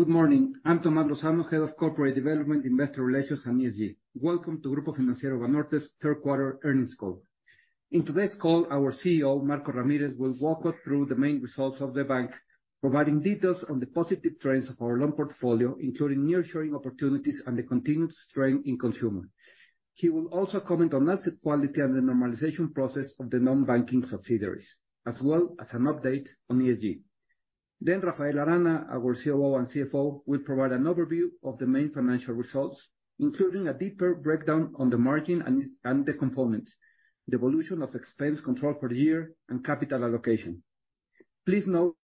Good morning. I'm Tomás Lozano, Head of Corporate Development, Investor Relations, and ESG. Welcome to Grupo Financiero Banorte's third quarter earnings call. In today's call, our CEO, Marcos Ramírez, will walk us through the main results of the bank, providing details on the positive trends of our loan portfolio, including nearshoring opportunities and the continued strength in consumer. He will also comment on asset quality and the normalization process of the non-banking subsidiaries, as well as an update on ESG. Then Rafael Arana, our COO and CFO, will provide an overview of the main financial results, including a deeper breakdown on the margin and the components, the evolution of expense control for the year, and capital allocation. Please note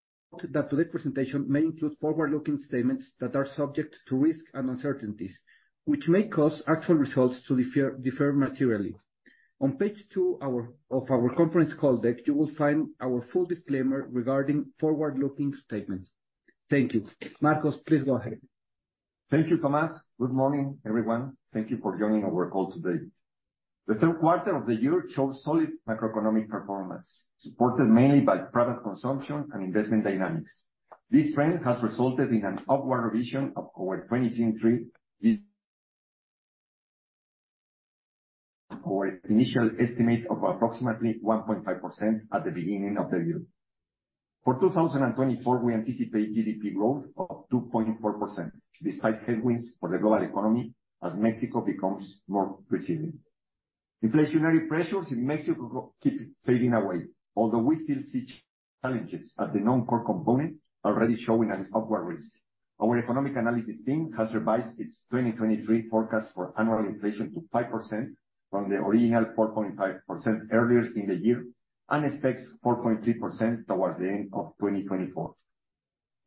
that today's presentation may include forward-looking statements that are subject to risks and uncertainties, which may cause actual results to differ materially. On page two of our conference call deck, you will find our full disclaimer regarding forward-looking statements. Thank you. Marcos, please go ahead. Thank you, Tomás. Good morning, everyone. Thank you for joining our call today. The third quarter of the year showed solid macroeconomic performance, supported mainly by private consumption and investment dynamics. This trend has resulted in an upward revision of our 2023 initial estimate of approximately 1.5% at the beginning of the year. For 2024, we anticipate GDP growth of 2.4%, despite headwinds for the global economy, as Mexico becomes more resilient. Inflationary pressures in Mexico keep fading away, although we still see challenges at the non-core component already showing an upward risk. Our economic analysis team has revised its 2023 forecast for annual inflation to 5% from the original 4.5% earlier in the year, and expects 4.3% towards the end of 2024.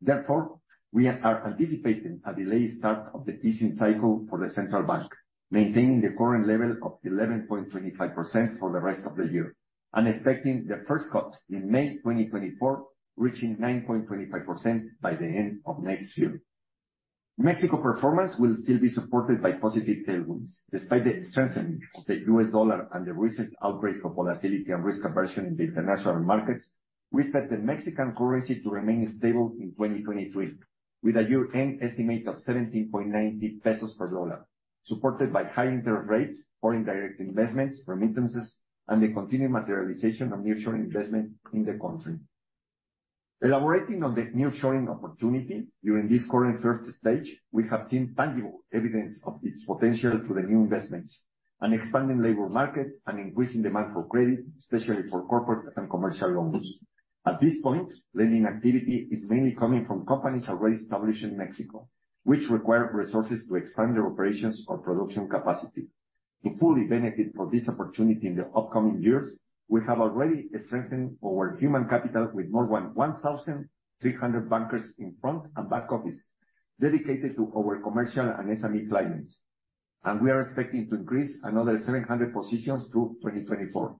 Therefore, we are anticipating a delayed start of the easing cycle for the central bank, maintaining the current level of 11.25% for the rest of the year, and expecting the first cut in May 2024, reaching 9.25% by the end of next year. Mexico performance will still be supported by positive tailwinds. Despite the strengthening of the U.S. dollar and the recent outbreak of volatility and risk aversion in the international markets, we expect the Mexican currency to remain stable in 2023, with a year-end estimate of 17.90 pesos per dollar, supported by high interest rates, foreign direct investments, remittances, and the continued materialization of nearshoring investment in the country. Elaborating on the nearshoring opportunity, during this current first stage, we have seen tangible evidence of its potential through the new investments, an expanding labor market, and increasing demand for credit, especially for corporate and commercial loans. At this point, lending activity is mainly coming from companies already established in Mexico, which require resources to expand their operations or production capacity. To fully benefit from this opportunity in the upcoming years, we have already strengthened our human capital with more than 1,300 bankers in front and back office, dedicated to our commercial and SME clients, and we are expecting to increase another 700 positions through 2024.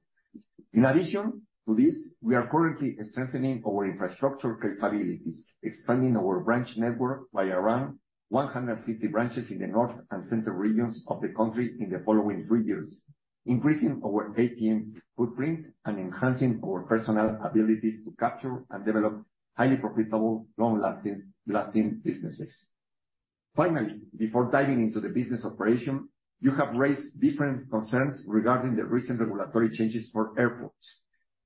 In addition to this, we are currently strengthening our infrastructure capabilities, expanding our branch network by around 150 branches in the north and center regions of the country in the following three years, increasing our ATM footprint and enhancing our personal abilities to capture and develop highly profitable, long-lasting, lasting businesses. Finally, before diving into the business operation, you have raised different concerns regarding the recent regulatory changes for airports.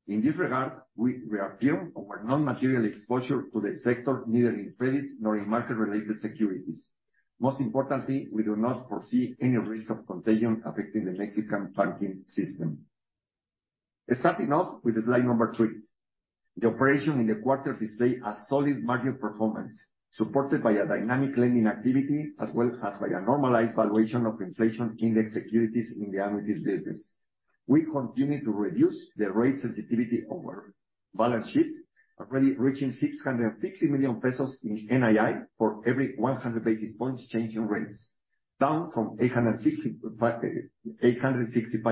In this regard, we reaffirm our non-material exposure to the sector, neither in credit nor in market-related securities. Most importantly, we do not foresee any risk of contagion affecting the Mexican banking system. Starting off with slide number two, the operation in the quarter display a solid margin performance, supported by a dynamic lending activity, as well as by a normalized valuation of inflation index securities in the annuities business. We continue to reduce the rate sensitivity of our balance sheet, already reaching 650 million pesos in NII for every 100 basis points change in rates, down from 865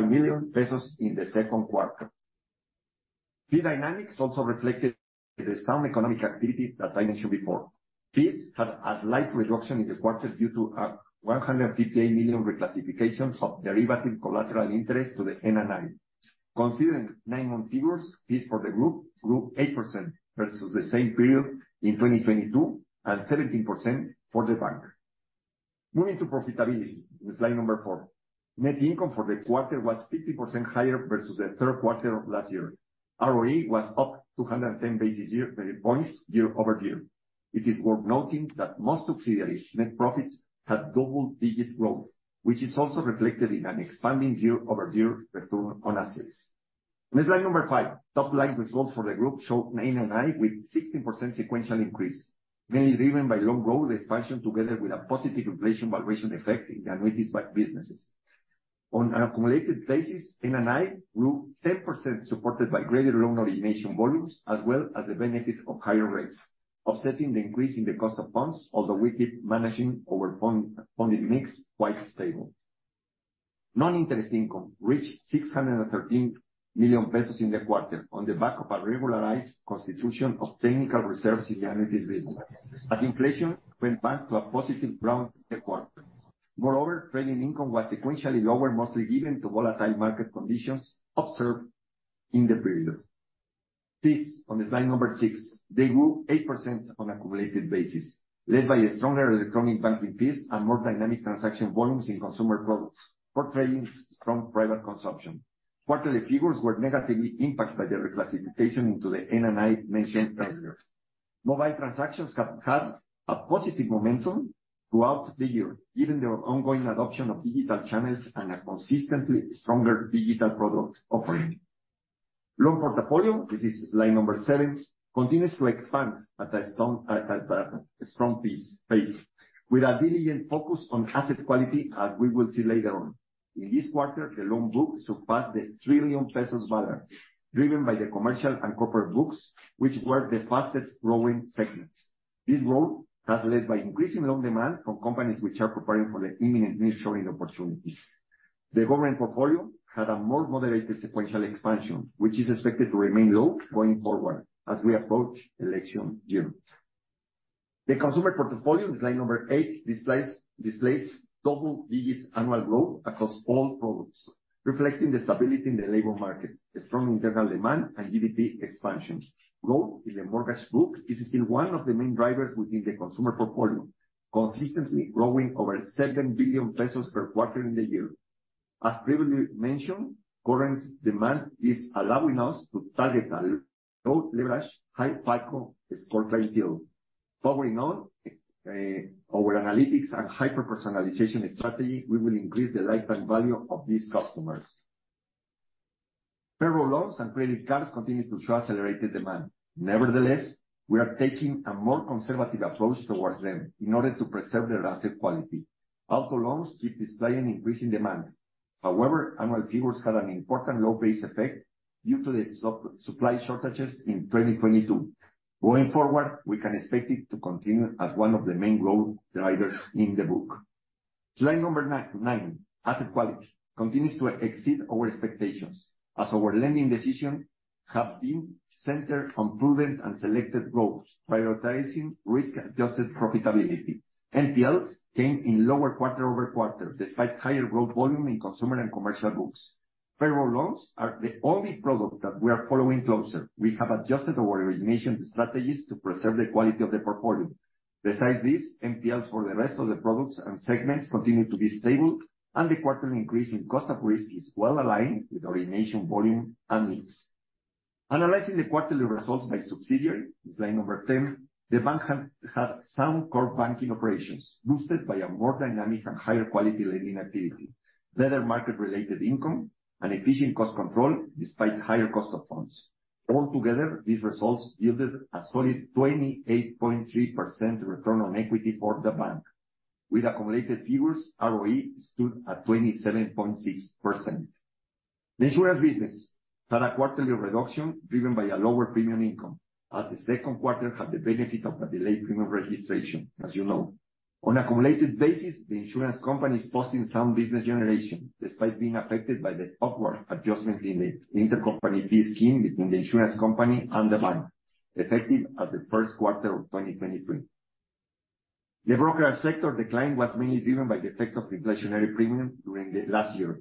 million pesos in the second quarter. These dynamics also reflected the sound economic activity that I mentioned before. Fees had a slight reduction in the quarter, due to a 158 million reclassification of derivative collateral interest to the NII. Considering nine-month figures, fees for the group grew 8% versus the same period in 2022, and 17% for the bank. Moving to profitability, in slide four, net income for the quarter was 50% higher versus the third quarter of last year. ROE was up 210 basis points year-over-year. It is worth noting that most subsidiaries' net profits had double-digit growth, which is also reflected in an expanding year-over-year return on assets. In slide five, top-line results for the group showed NII with 16% sequential increase, mainly driven by loan growth expansion, together with a positive inflation valuation effect in the annuities bank businesses. On an accumulated basis, NII grew 10%, supported by greater loan origination volumes, as well as the benefit of higher rates, offsetting the increase in the cost of funds, although we keep managing our fund, funding mix quite stable. Non-interest income reached 613 million pesos in the quarter on the back of a regularized constitution of technical reserves in the annuities business, as inflation went back to a positive ground in the quarter. Moreover, trading income was sequentially lower, mostly given to volatile market conditions observed in the previous-... Fees on the slide number six, they grew 8% on a cumulative basis, led by a stronger electronic banking fees and more dynamic transaction volumes in consumer products, portraying strong private consumption. Part of the figures were negatively impacted by the reclassification into the NII mentioned earlier. Mobile transactions have had a positive momentum throughout the year, given the ongoing adoption of digital channels and a consistently stronger digital product offering. Loan portfolio, this is slide number seven, continues to expand at a strong pace, with a diligent focus on asset quality, as we will see later on. In this quarter, the loan book surpassed the 3 million pesos balance, driven by the commercial and corporate books, which were the fastest growing segments. This growth was led by increasing loan demand from companies which are preparing for the imminent nearshoring opportunities. The government portfolio had a more moderated sequential expansion, which is expected to remain low going forward as we approach election year. The consumer portfolio, slide number eight, displays double-digit annual growth across all products, reflecting the stability in the labor market, a strong internal demand, and GDP expansion. Growth in the mortgage book is still one of the main drivers within the consumer portfolio, consistently growing over 7 billion pesos per quarter in the year. As previously mentioned, current demand is allowing us to target a low leverage, high FICO Score ideal. Powering on our analytics and hyper-personalization strategy, we will increase the lifetime value of these customers. Payroll loans and credit cards continue to show accelerated demand. Nevertheless, we are taking a more conservative approach towards them in order to preserve their asset quality. Auto loans keep displaying increasing demand. However, annual figures had an important low base effect due to the supply shortages in 2022. Going forward, we can expect it to continue as one of the main growth drivers in the book. Slide number nine, asset quality continues to exceed our expectations, as our lending decisions have been centered on proven and selected growth, prioritizing risk-adjusted profitability. NPLs came in lower quarter-over-quarter, despite higher growth volume in consumer and commercial books. Payroll loans are the only product that we are following closer. We have adjusted our origination strategies to preserve the quality of the portfolio. Besides this, NPLs for the rest of the products and segments continue to be stable, and the quarterly increase in cost of risk is well aligned with origination volume and mix. Analyzing the quarterly results by subsidiary, slide number 10, the bank have had sound core banking operations, boosted by a more dynamic and higher quality lending activity, better market-related income, and efficient cost control, despite higher cost of funds. Altogether, these results yielded a solid 28.3% return on equity for the bank. With accumulated figures, ROE stood at 27.6%. The insurance business had a quarterly reduction, driven by a lower premium income, as the second quarter had the benefit of a delayed premium registration, as you know. On a cumulative basis, the insurance company is posting sound business generation, despite being affected by the upward adjustments in the intercompany fee scheme between the insurance company and the bank, effective as of the first quarter of 2023. The brokerage sector decline was mainly driven by the effect of inflationary premium during the last year.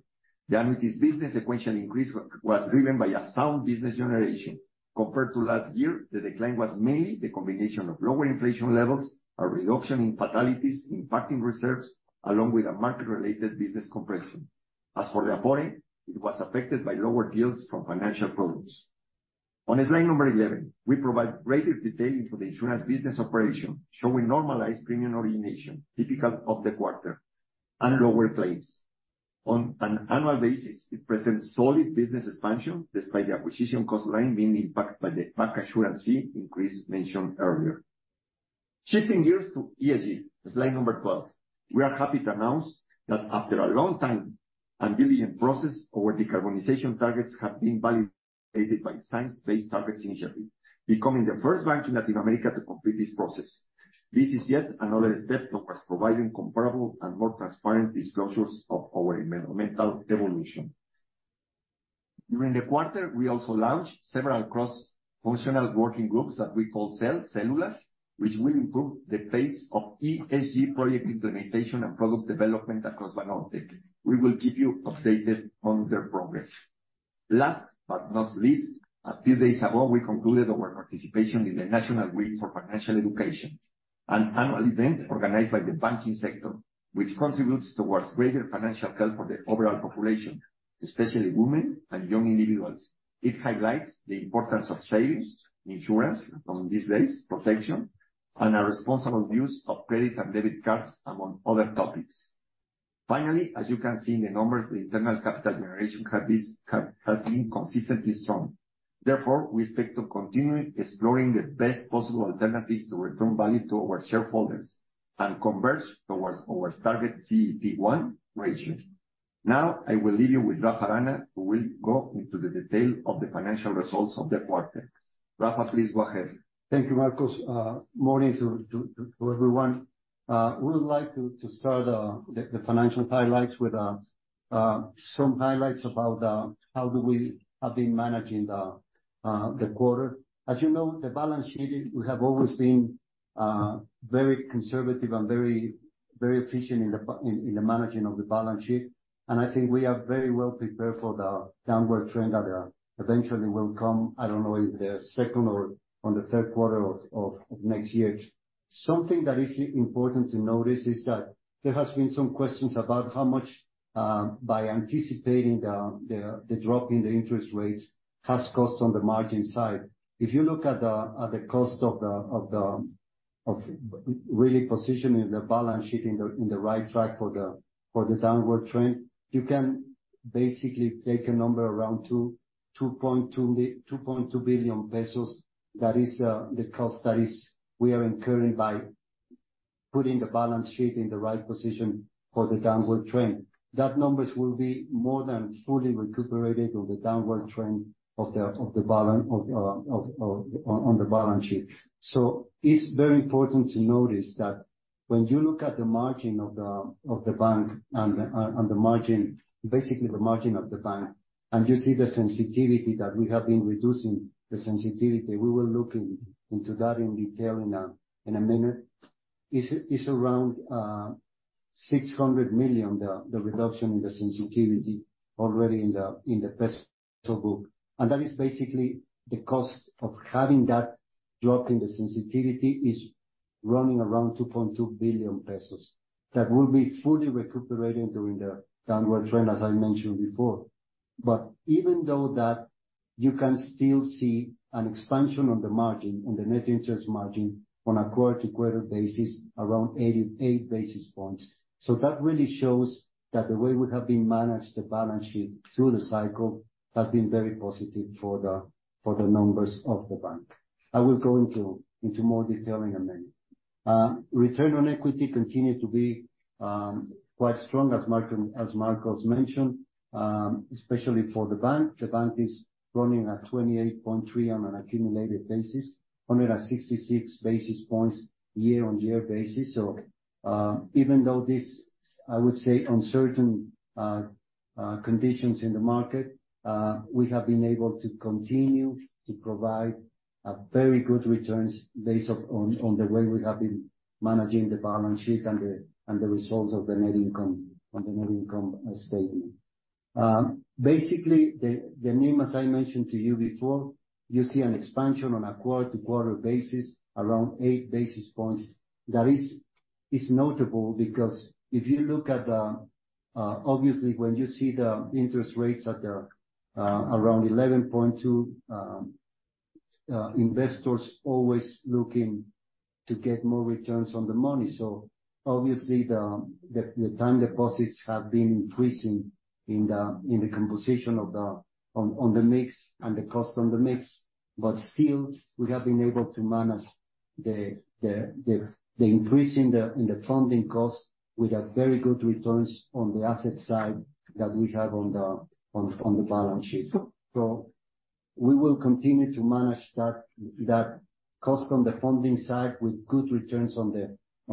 The annuities business sequential increase was driven by a sound business generation. Compared to last year, the decline was mainly the combination of lower inflation levels, a reduction in fatalities impacting reserves, along with a market-related business compression. As for the affordability, it was affected by lower deals from financial products. On slide number 11, we provide greater detail into the insurance business operation, showing normalized premium origination, typical of the quarter and lower claims. On an annual basis, it presents solid business expansion, despite the acquisition cost line being impacted by the bancassurance fee increase mentioned earlier. Shifting gears to ESG, slide number 12. We are happy to announce that after a long time and diligent process, our decarbonization targets have been validated by Science Based Targets initiative, becoming the first bank in Latin America to complete this process. This is yet another step towards providing comparable and more transparent disclosures of our environmental evolution. During the quarter, we also launched several cross-functional working groups that we call cells, células, which will improve the pace of ESG project implementation and product development across Banorte. We will keep you updated on their progress. Last but not least, a few days ago, we concluded our participation in the National Week for Financial Education, an annual event organized by the banking sector, which contributes towards greater financial health for the overall population, especially women and young individuals. It highlights the importance of savings, insurance, on these days, protection, and a responsible use of credit and debit cards, among other topics. Finally, as you can see in the numbers, the internal capital generation has been consistently strong. Therefore, we expect to continue exploring the best possible alternatives to return value to our shareholders and converge towards our target CET1 ratio. Now I will leave you with Rafa Arana, who will go into the detail of the financial results of the quarter. Rafa, please go ahead. Thank you, Marcos. Morning to everyone. We would like to start the financial highlights with some highlights about how we have been managing the quarter. As you know, the balance sheet, we have always been very conservative and very efficient in the managing of the balance sheet. And I think we are very well prepared for the downward trend that eventually will come, I don't know, in the second or on the third quarter of next year. Something that is important to notice is that there has been some questions about how much, by anticipating the drop in the interest rates, has cost on the margin side. If you look at the cost of really positioning the balance sheet in the right track for the downward trend, you can basically take a number around 2.2 billion pesos. That is the cost that we are incurring by putting the balance sheet in the right position for the downward trend. That numbers will be more than fully recuperated on the downward trend of the balance sheet. So it's very important to notice that when you look at the margin of the bank and the margin, basically the margin of the bank, and you see the sensitivity that we have been reducing the sensitivity, we will look into that in detail in a minute. It's around 600 million, the reduction in the sensitivity already in the peso book. And that is basically the cost of having that drop in the sensitivity is running around 2.2 billion pesos. That will be fully recuperated during the downward trend, as I mentioned before. But even though that, you can still see an expansion on the margin, on the net interest margin, on a quarter-to-quarter basis, around 88 basis points. So that really shows that the way we have been managed the balance sheet through the cycle has been very positive for the numbers of the bank. I will go into more detail in a minute. Return on equity continues to be quite strong, as Marco, as Marcos mentioned, especially for the bank. The bank is running at 28.3 on an accumulated basis, 166 basis points year-on-year basis. So even though this, I would say, uncertain conditions in the market, we have been able to continue to provide a very good returns based on the way we have been managing the balance sheet and the results of the net income on the net income statement. Basically, the NIM, as I mentioned to you before, you see an expansion on a quarter-to-quarter basis, around eight basis points. That is notable because if you look at the... Obviously, when you see the interest rates around 11.2, investors always looking to get more returns on the money. So obviously, the time deposits have been increasing in the composition of the on the mix and the cost on the mix, but still, we have been able to manage the increase in the funding cost with a very good returns on the asset side that we have on the balance sheet. So we will continue to manage that cost on the funding side with good returns on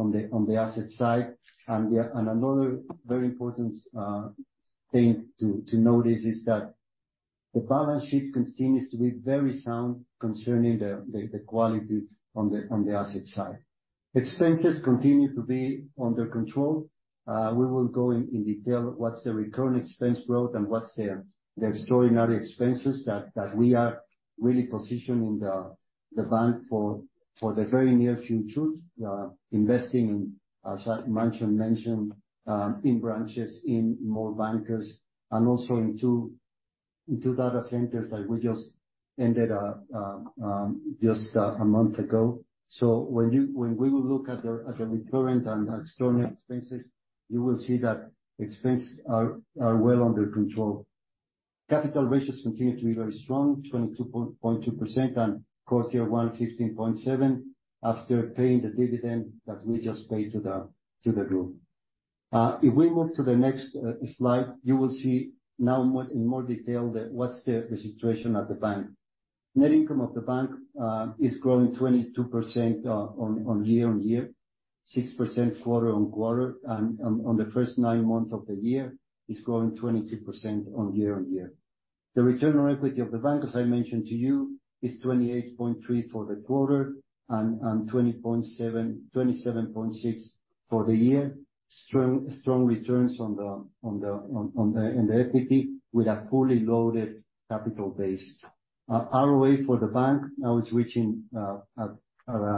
the asset side. Yeah, and another very important thing to notice is that the balance sheet continues to be very sound concerning the quality on the asset side. Expenses continue to be under control. We will go in detail what's the recurring expense growth and what's the extraordinary expenses that we are really positioning the bank for the very near future. Investing in, as I mentioned, in branches, in more bankers, and also into data centers that we just ended just a month ago. So when you, when we will look at the recurring and extraordinary expenses, you will see that expenses are well under control. Capital ratios continue to be very strong, 22.2%, quarter one, 15.7, after paying the dividend that we just paid to the, to the group. If we move to the next slide, you will see now more, in more detail, the situation at the bank. Net income of the bank is growing 22% year-on-year, 6% quarter-on-quarter, and on the first nine months of the year, it's growing 22% year-on-year. The return on equity of the bank, as I mentioned to you, is 28.3% for the quarter and 27.6% for the year. Strong returns on the equity with a fully loaded capital base. ROA for the bank now is reaching a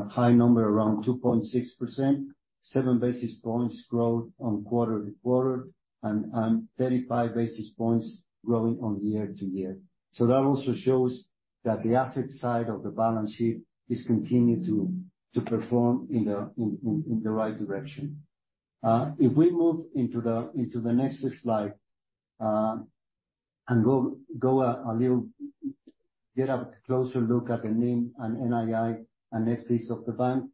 high number, around 2.6%, seven basis points growth on quarter-to-quarter, and 35 basis points growing on year-to-year. So that also shows that the asset side of the balance sheet is continued to perform in the right direction. If we move into the next slide and get a closer look at the NIM and NII and NPLs of the bank,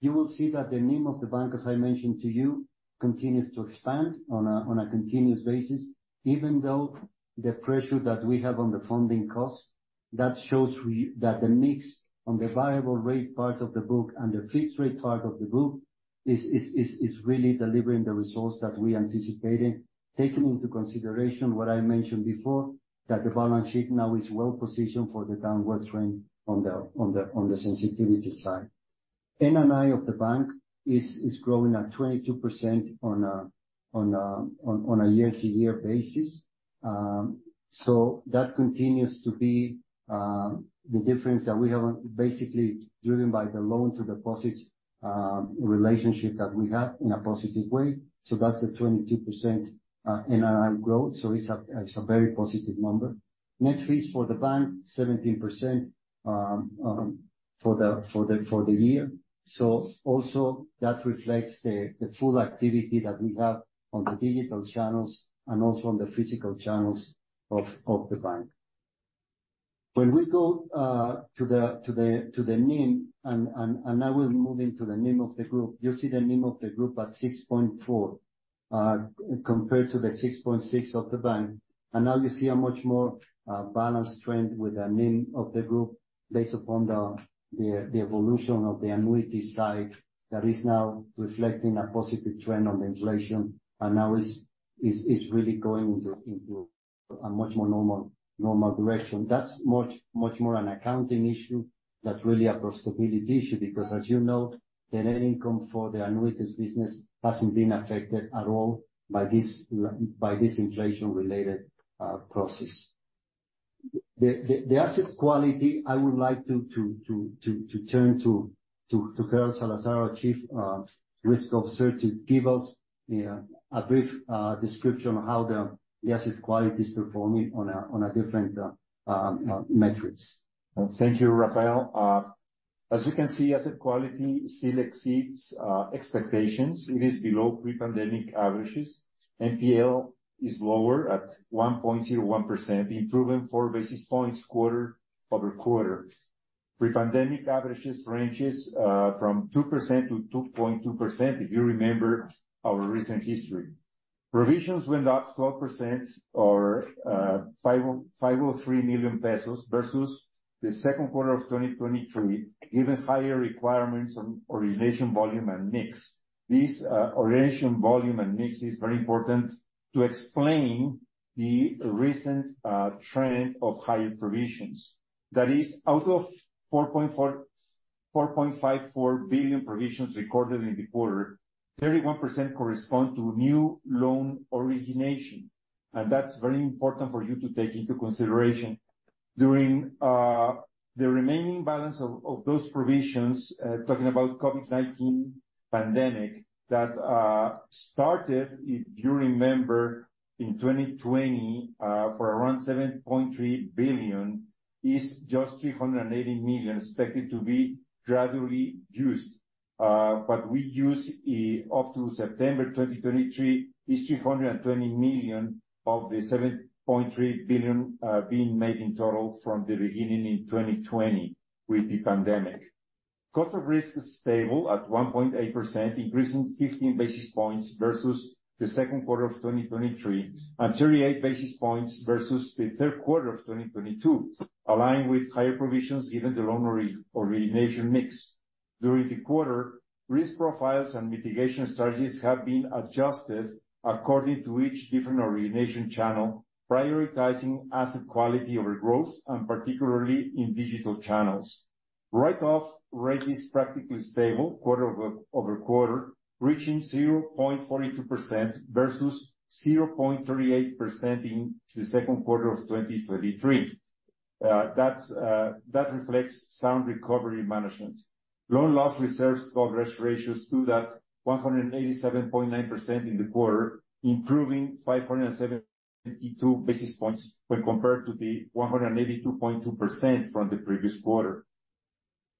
you will see that the NIM of the bank, as I mentioned to you, continues to expand on a continuous basis, even though the pressure that we have on the funding cost, that the mix on the variable rate part of the book and the fixed rate part of the book is really delivering the results that we anticipated. Taking into consideration what I mentioned before, that the balance sheet now is well positioned for the downward trend on the sensitivity side. NII of the bank is growing at 22% on a year-to-year basis. So that continues to be the difference that we have, basically driven by the loan to deposit relationship that we have in a positive way. So that's a 22% NII growth, so it's a very positive number. Net fees for the bank, 17% for the year. So also that reflects the full activity that we have on the digital channels and also on the physical channels of the bank. When we go to the NIM, now we'll move into the NIM of the group. You'll see the NIM of the group at 6.4 compared to the 6.6 of the bank. And now you see a much more balanced trend with the NIM of the group based upon the evolution of the annuity side that is now reflecting a positive trend on the inflation, and now is really going into a much more normal direction. That's much more an accounting issue than really a profitability issue, because as you know, the net income for the annuities business hasn't been affected at all by this by this inflation-related process. The asset quality, I would like to turn to Gerardo Salazar, our Chief Risk Officer, to give us a brief description on how the asset quality is performing on a different metrics. Thank you, Rafael. As you can see, asset quality still exceeds expectations. It is below pre-pandemic averages. NPL is lower at 1.01%, improving four basis points quarter-over-quarter. Pre-pandemic averages ranges from 2% to 2.2%, if you remember our recent history. Provisions went up 12% or 503 million pesos versus the second quarter of 2023, given higher requirements on origination volume and mix. This origination volume and mix is very important to explain the recent trend of higher provisions. That is, out of 4.54 billion provisions recorded in the quarter, 31% correspond to new loan origination, and that's very important for you to take into consideration. During the remaining balance of those provisions, talking about COVID-19 pandemic, that started, if you remember, in 2020, for around 7.3 billion, is just 380 million expected to be gradually used. But we use up to September 2023, is 320 million of the 7.3 billion, being made in total from the beginning in 2020 with the pandemic. Cost of risk is stable at 1.8%, increasing 15 basis points versus the second quarter of 2023, and 38 basis points versus the third quarter of 2022, aligned with higher provisions given the loan origination mix. During the quarter, risk profiles and mitigation strategies have been adjusted according to each different origination channel, prioritizing asset quality over growth, and particularly in digital channels. Write-off rate is practically stable quarter-over-quarter, reaching 0.42% versus 0.38% in the second quarter of 2023. That reflects sound recovery management. Loan loss reserves coverage ratios stood at 187.9% in the quarter, improving 5.72 basis points when compared to the 182.2% from the previous quarter.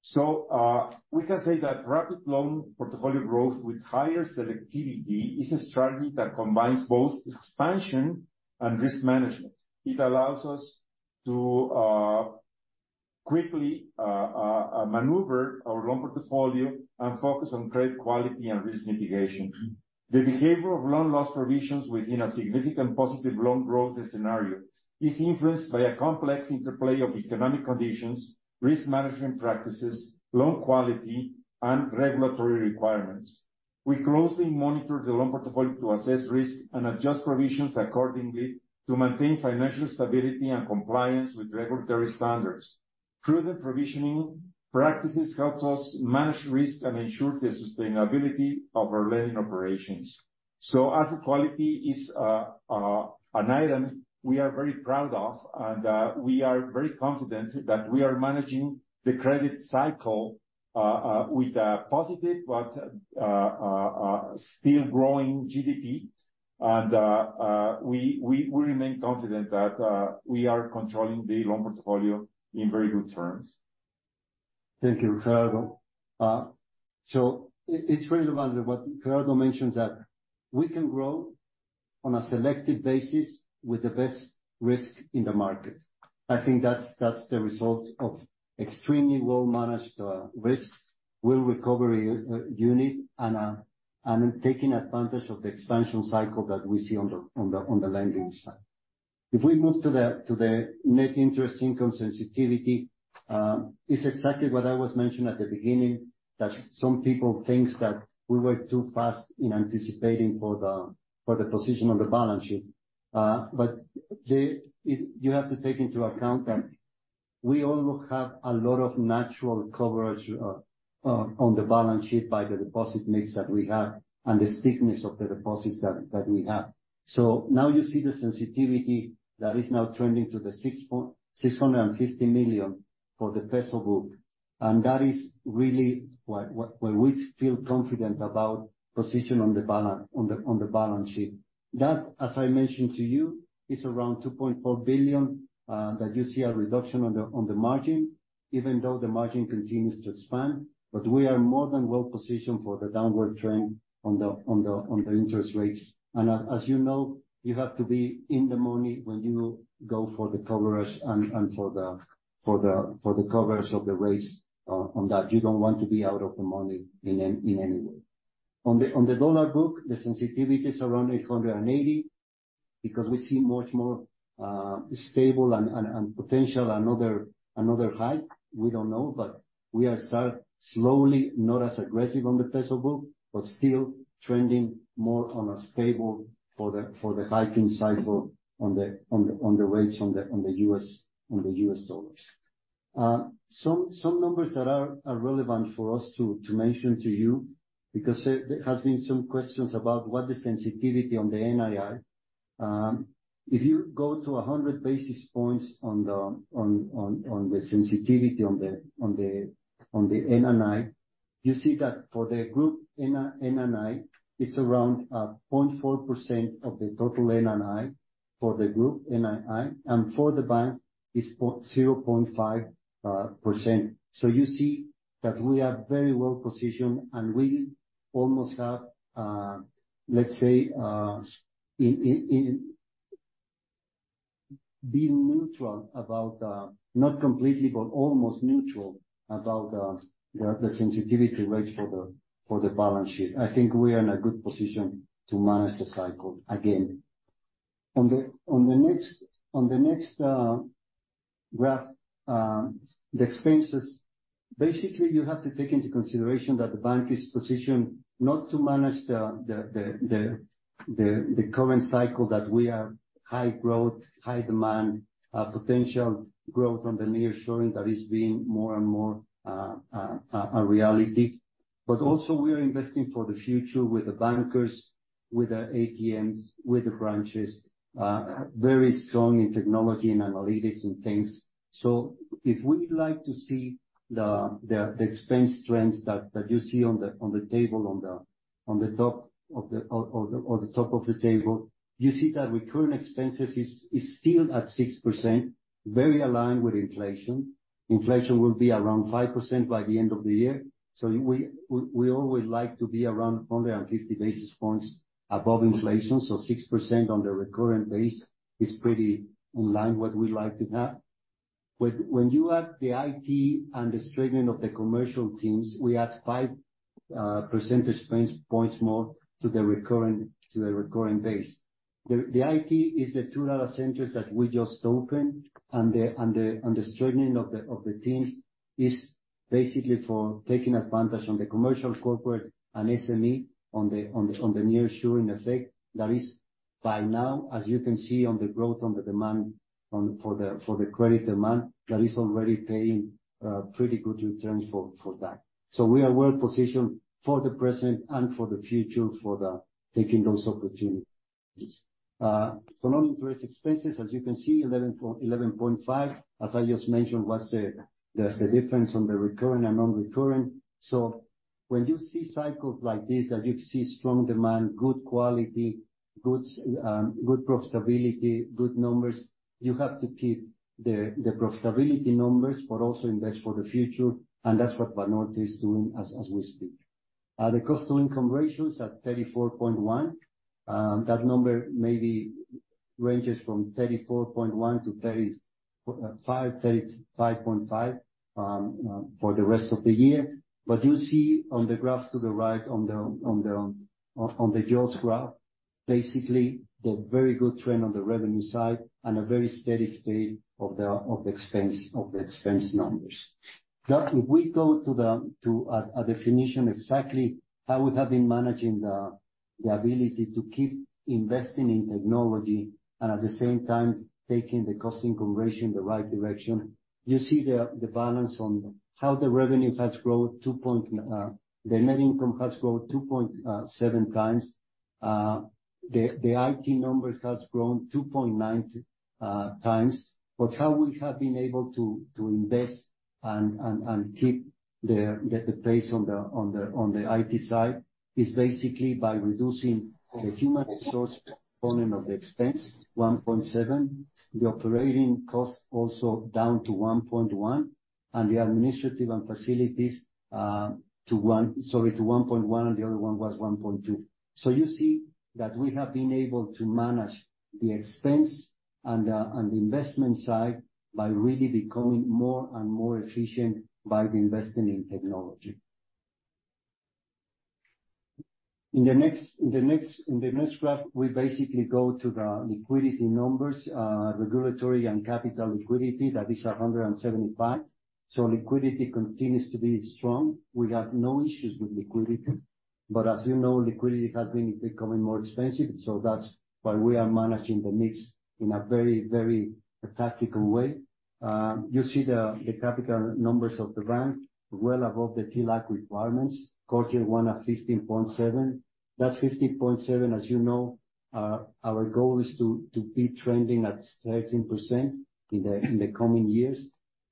So, we can say that rapid loan portfolio growth with higher selectivity is a strategy that combines both expansion and risk management. It allows us to quickly maneuver our loan portfolio and focus on credit quality and risk mitigation. The behavior of loan loss provisions within a significant positive loan growth scenario is influenced by a complex interplay of economic conditions, risk management practices, loan quality, and regulatory requirements. We closely monitor the loan portfolio to assess risk and adjust provisions accordingly to maintain financial stability and compliance with regulatory standards. Prudent provisioning practices help us manage risk and ensure the sustainability of our lending operations. Asset quality is an item we are very proud of, and we are very confident that we are managing the credit cycle with a positive but still growing GDP. We remain confident that we are controlling the loan portfolio in very good terms. Thank you, Gerardo. So it's really relevant what Gerardo mentions, that we can grow on a selective basis with the best risk in the market. I think that's, that's the result of extremely well-managed risks, well recovery unit, and taking advantage of the expansion cycle that we see on the lending side. If we move to the net interest income sensitivity, it's exactly what I was mentioning at the beginning, that some people think that we were too fast in anticipating for the position on the balance sheet. But it, you have to take into account that we also have a lot of natural coverage on the balance sheet by the deposit mix that we have and the thickness of the deposits that we have. So now you see the sensitivity that is now trending to the 650 million for the peso book, and that is really why, what, where we feel confident about position on the balance sheet. That, as I mentioned to you, is around 2.4 billion, that you see a reduction on the margin, even though the margin continues to expand. But we are more than well positioned for the downward trend on the interest rates. And as you know, you have to be in the money when you go for the coverage and for the coverage of the rates, on that. You don't want to be out of the money in any way. On the dollar book, the sensitivity is around 800, because we see much more stable and potential another hike. We don't know, but we are start slowly, not as aggressive on the peso book, but still trending more on a stable for the hiking cycle on the rates, on the US dollars. Some numbers that are relevant for us to mention to you, because there has been some questions about what the sensitivity on the NII. If you go to 100 basis points on the sensitivity on the NII, you see that for the group NII, it's around 0.4% of the total NII for the group NII, and for the bank, it's 0.5%. So you see that we are very well positioned, and we almost have, let's say, in being neutral about the... Not completely, but almost neutral about the sensitivity rates for the balance sheet. I think we are in a good position to manage the cycle again. On the next graph, the expenses, basically, you have to take into consideration that the bank is positioned not to manage the current cycle, that we are high growth, high demand, potential growth on the nearshoring that is being more and more a reality. But also, we are investing for the future with the bankers, with the ATMs, with the branches, very strong in technology and analytics and things. So if we like to see the expense trends that you see on the top of the table, you see that recurrent expenses is still at 6%, very aligned with inflation. Inflation will be around 5% by the end of the year, so we always like to be around 150 basis points above inflation. So 6% on the recurrent base is pretty in line what we like to have. When you add the IT and the strengthening of the commercial teams, we add 5 percentage points more to the recurrent, to the recurring base. The IT is the 2 data centers that we just opened, and the strengthening of the teams is basically for taking advantage on the commercial, corporate, and SME on the nearshoring effect. That is, by now, as you can see on the growth, on the demand, for the credit demand, that is already paying pretty good returns for that. So we are well positioned for the present and for the future, for the taking those opportunities. So non-interest expenses, as you can see, 11.5, as I just mentioned, was the difference on the recurring and non-recurring. So when you see cycles like this, that you see strong demand, good quality, goods, good profitability, good numbers, you have to keep the profitability numbers, but also invest for the future, and that's what Banorte is doing as we speak. The cost to income ratio is at 34.1. That number maybe ranges from 34.1 to 35-35.5 for the rest of the year. But you see on the graph to the right, on the yellow graph, basically the very good trend on the revenue side and a very steady state of the expense numbers. That if we go to a definition, exactly how we have been managing the ability to keep investing in technology and at the same time taking the cost income ratio in the right direction, you see the balance on how the revenue has grown two point, the net income has grown 2.7 times. The IT numbers has grown 2.9 times. But how we have been able to invest and keep the pace on the IT side is basically by reducing the human resource component of the expense, 1.7. The operating costs also down to 1.1, and the administrative and facilities, sorry, to 1.1, and the other one was 1.2. So you see that we have been able to manage the expense and the investment side by really becoming more and more efficient by investing in technology. In the next graph, we basically go to the liquidity numbers, regulatory and capital liquidity, that is 175. So liquidity continues to be strong. We have no issues with liquidity. but as you know, liquidity has been becoming more expensive, so that's why we are managing the mix in a very, very tactical way. You see the capital numbers of the bank well above the TLAC requirements, quarter one at 15.7. That 15.7, as you know, our goal is to be trending at 13% in the coming years.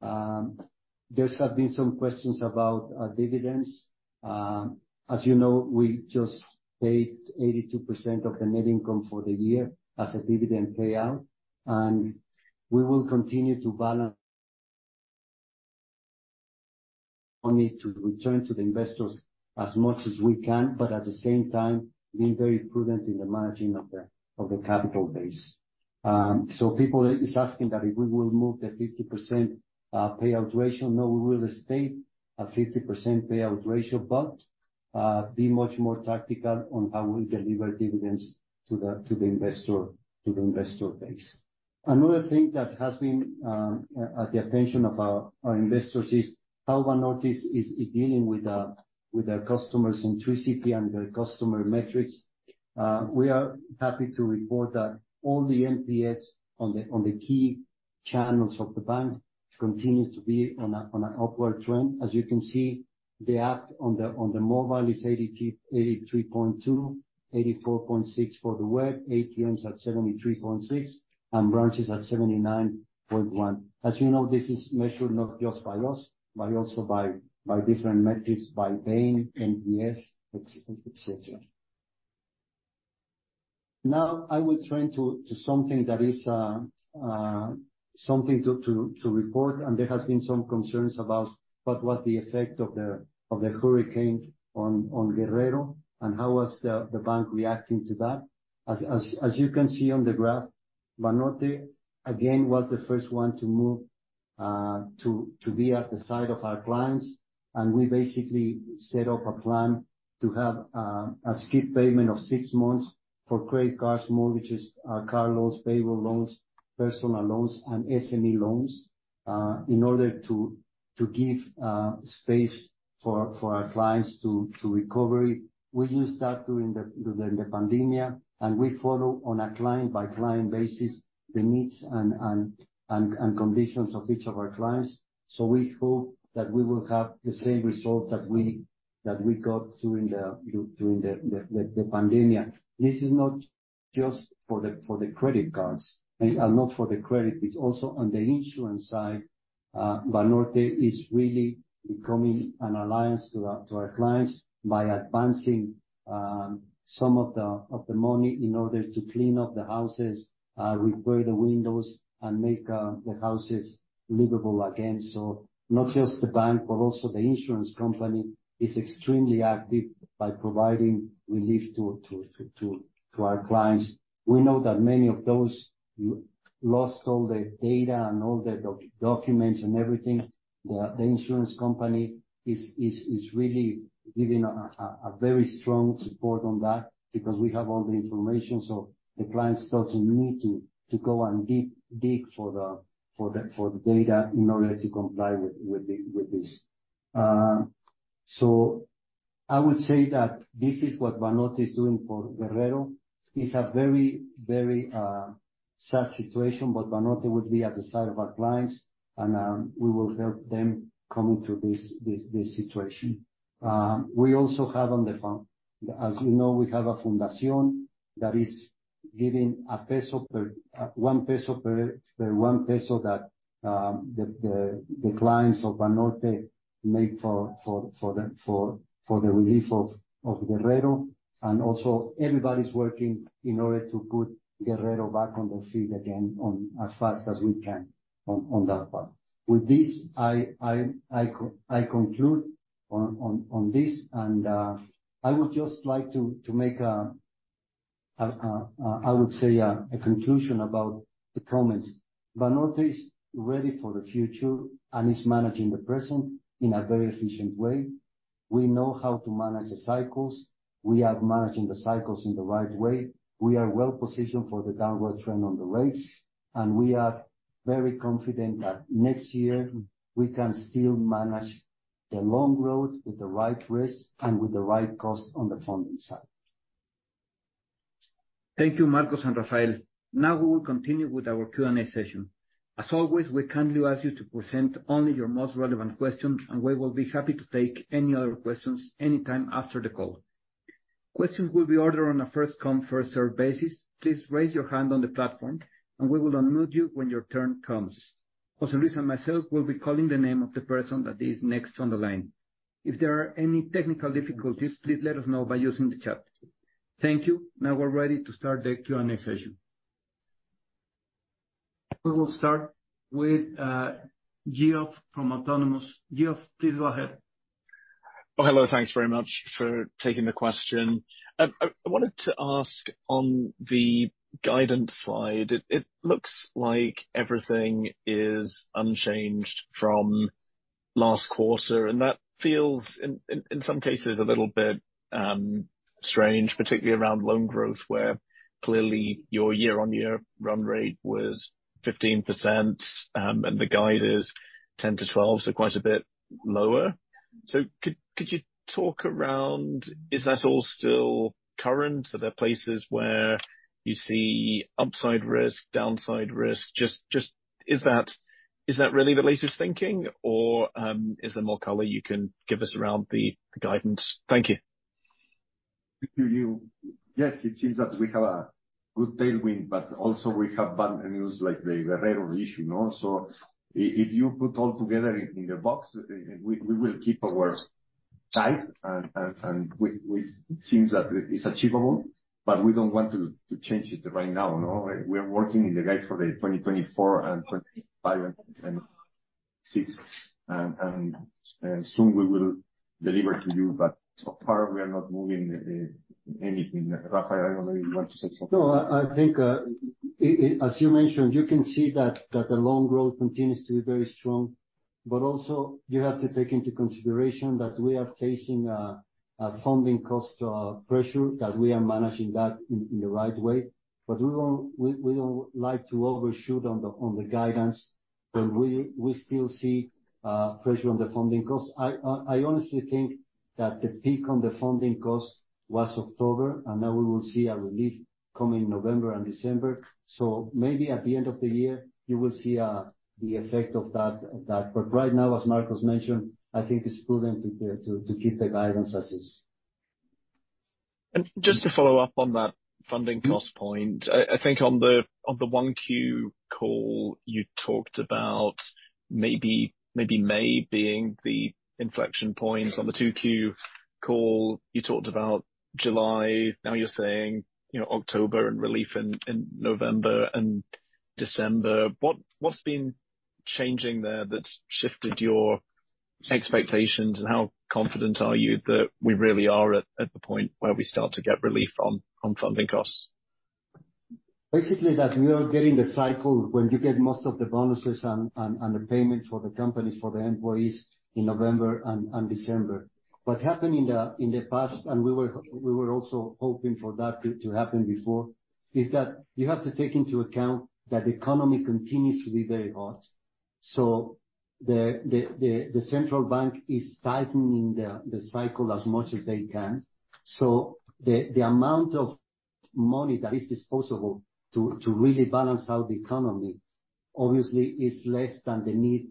There have been some questions about dividends. As you know, we just paid 82% of the net income for the year as a dividend payout, and we will continue to balance only to return to the investors as much as we can, but at the same time, being very prudent in the managing of the capital base. So people is asking that if we will move the 50%, payout ratio. No, we will stay at 50% payout ratio, but be much more tactical on how we deliver dividends to the, to the investor, to the investor base. Another thing that has been at the attention of our, our investors is how Banorte is dealing with the customer centricity and the customer metrics. We are happy to report that all the NPS on the key channels of the bank continues to be on an upward trend. As you can see, the app on the mobile is 83, 83.2, 84.6 for the web, ATMs at 73.6, and branches at 79.1. As you know, this is measured not just by us, but also by different metrics, by Bain, NPS, et cetera. Now, I will turn to something that is something to report, and there has been some concerns about what was the effect of the hurricane on Guerrero, and how was the bank reacting to that? As you can see on the graph, Banorte, again, was the first one to move to be at the side of our clients, and we basically set up a plan to have a skip payment of six months for credit cards, mortgages, car loans, payroll loans, personal loans, and SME loans, in order to give space for our clients to recovery. We used that during the pandemia, and we follow on a client-by-client basis, the needs and conditions of each of our clients. So we hope that we will have the same results that we got during the pandemic. This is not just for the credit cards and not for the credit; it's also on the insurance side. Banorte is really becoming an alliance to our clients by advancing some of the money in order to clean up the houses, repair the windows, and make the houses livable again. So not just the bank, but also the insurance company is extremely active by providing relief to our clients. We know that many of those lost all their data and all the documents and everything. The insurance company is really giving a very strong support on that because we have all the information, so the clients doesn't need to go and dig for the data in order to comply with this. So I would say that this is what Banorte is doing for Guerrero. It's a very sad situation, but Banorte will be at the side of our clients, and we will help them coming through this situation. We also have on the phone—As you know, we have a fundación that is giving a peso per one peso per one peso that the clients of Banorte make for the relief of Guerrero. And also everybody's working in order to put Guerrero back on their feet again, as fast as we can on that part. With this, I conclude on this, and I would just like to make a conclusion about the comments. I would say, Banorte is ready for the future and is managing the present in a very efficient way. We know how to manage the cycles. We are managing the cycles in the right way. We are well positioned for the downward trend on the rates, and we are very confident that next year we can still manage the long road with the right risk and with the right cost on the funding side. Thank you, Marcos and Rafael. Now, we will continue with our Q&A session. As always, we kindly ask you to present only your most relevant questions, and we will be happy to take any other questions anytime after the call. Questions will be ordered on a first-come, first-served basis. Please raise your hand on the platform, and we will unmute you when your turn comes. José Luis and myself will be calling the name of the person that is next on the line. If there are any technical difficulties, please let us know by using the chat. Thank you. Now, we're ready to start the Q&A session. We will start with, Geoff from Autonomous. Geoff, please go ahead. Well, hello, thanks very much for taking the question. I wanted to ask on the guidance slide; it looks like everything is unchanged from last quarter, and that feels in some cases a little bit strange, particularly around loan growth, where clearly your year-on-year run rate was 15%, and the guide is 10%-12%, so quite a bit lower. So could you talk around; is that all still current? Are there places where you see upside risk, downside risk? Just is that really the latest thinking, or is there more color you can give us around the guidance? Thank you. Thank you. Yes, it seems that we have a good tailwind, but also we have bad news, like the rare issue, no? So if you put all together in the box, we will keep our words tight and we seems that it's achievable, but we don't want to change it right now, you know? We are working in the guide for the 2024 and 2025 and 2026, and soon we will deliver to you. But so far, we are not moving anything. Rafael, I don't know if you want to say something. No, I think, as you mentioned, you can see that the loan growth continues to be very strong, but also you have to take into consideration that we are facing a funding cost pressure, that we are managing that in the right way. But we won't, we don't like to overshoot on the guidance, but we still see pressure on the funding costs. I honestly think that the peak on the funding costs was October, and now we will see a relief coming November and December. So maybe at the end of the year, you will see the effect of that. But right now, as Marcos mentioned, I think it's prudent to keep the guidance as is. Just to follow up on that funding cost point. Mm-hmm. I think on the 1Q call, you talked about maybe May being the inflection point. Yeah. On the 2Q call, you talked about July. Now you're saying, you know, October and relief in, in November and December. What, what's been changing there that's shifted your expectations? And how confident are you that we really are at, at the point where we start to get relief on, on funding costs? Basically, that we are getting the cycle when you get most of the bonuses and the payments for the companies, for the employees in November and December. What happened in the past, and we were also hoping for that to happen before, is that you have to take into account that the economy continues to be very hot. So the central bank is tightening the cycle as much as they can. So the amount of money that is disposable to really balance out the economy obviously is less than the need.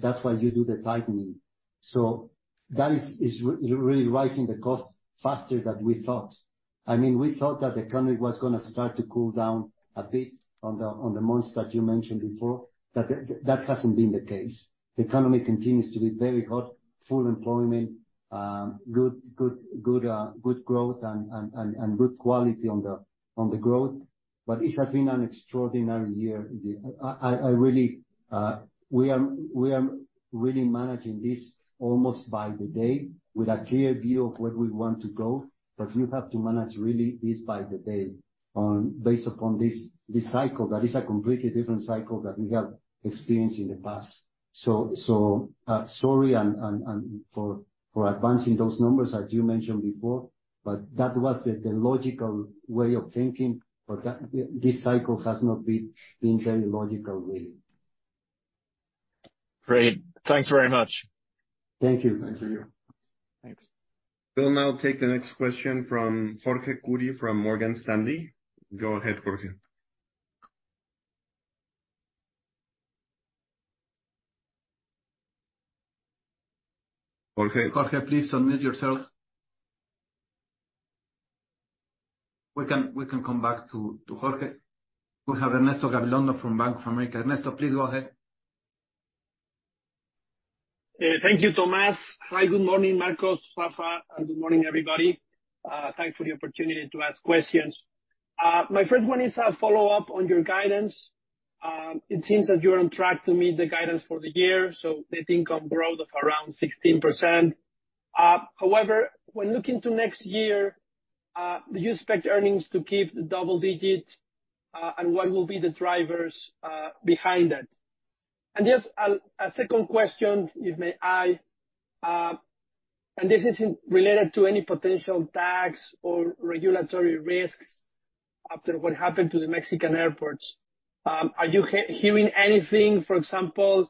That's why you do the tightening. So that is really rising the cost faster than we thought. I mean, we thought that the economy was gonna start to cool down a bit on the months that you mentioned before. Thathasn't been the case. The economy continues to be very hot, full employment good growth and good quality on the growth. But it has been an extraordinary year. I really, we are really managing this almost by the day with a clear view of where we want to go. But you have to manage really this by the day, based upon this, this cycle that is a completely different cycle that we have experienced in the past. So sorry and for advancing those numbers, as you mentioned before, but that was the, the logical way of thinking, but that, this cycle has not been very logical really. Great. Thanks very much. Thank you. Thank you. Thanks. We'll now take the next question from Jorge Kuri from Morgan Stanley. Go ahead, Jorge. Jorge? Jorge, please unmute yourself. We can come back to Jorge. We have Ernesto Gabilondo from Bank of America. Ernesto, please go ahead. Thank you, Tomás. Hi, good morning, Marcos, Rafa, and good morning, everybody. Thanks for the opportunity to ask questions. My first one is a follow-up on your guidance. It seems that you're on track to meet the guidance for the year, so they think on growth of around 16%. However, when looking to next year, do you expect earnings to keep double digits, and what will be the drivers behind that? And just a second question, if I may, and this isn't related to any potential tax or regulatory risks after what happened to the Mexican airports. Are you hearing anything, for example,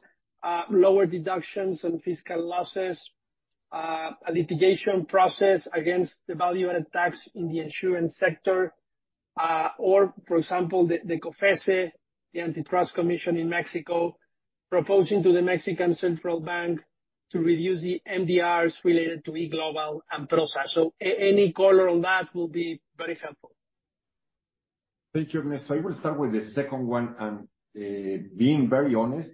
lower deductions and fiscal losses, a litigation process against the value-added tax in the insurance sector? Or, for example, the COFECE, the Antitrust Commission in Mexico, proposing to the Mexican Central Bank to review the MDRs related to E-Global and process. So any color on that will be very helpful. Thank you, Ernesto. I will start with the second one, and, being very honest,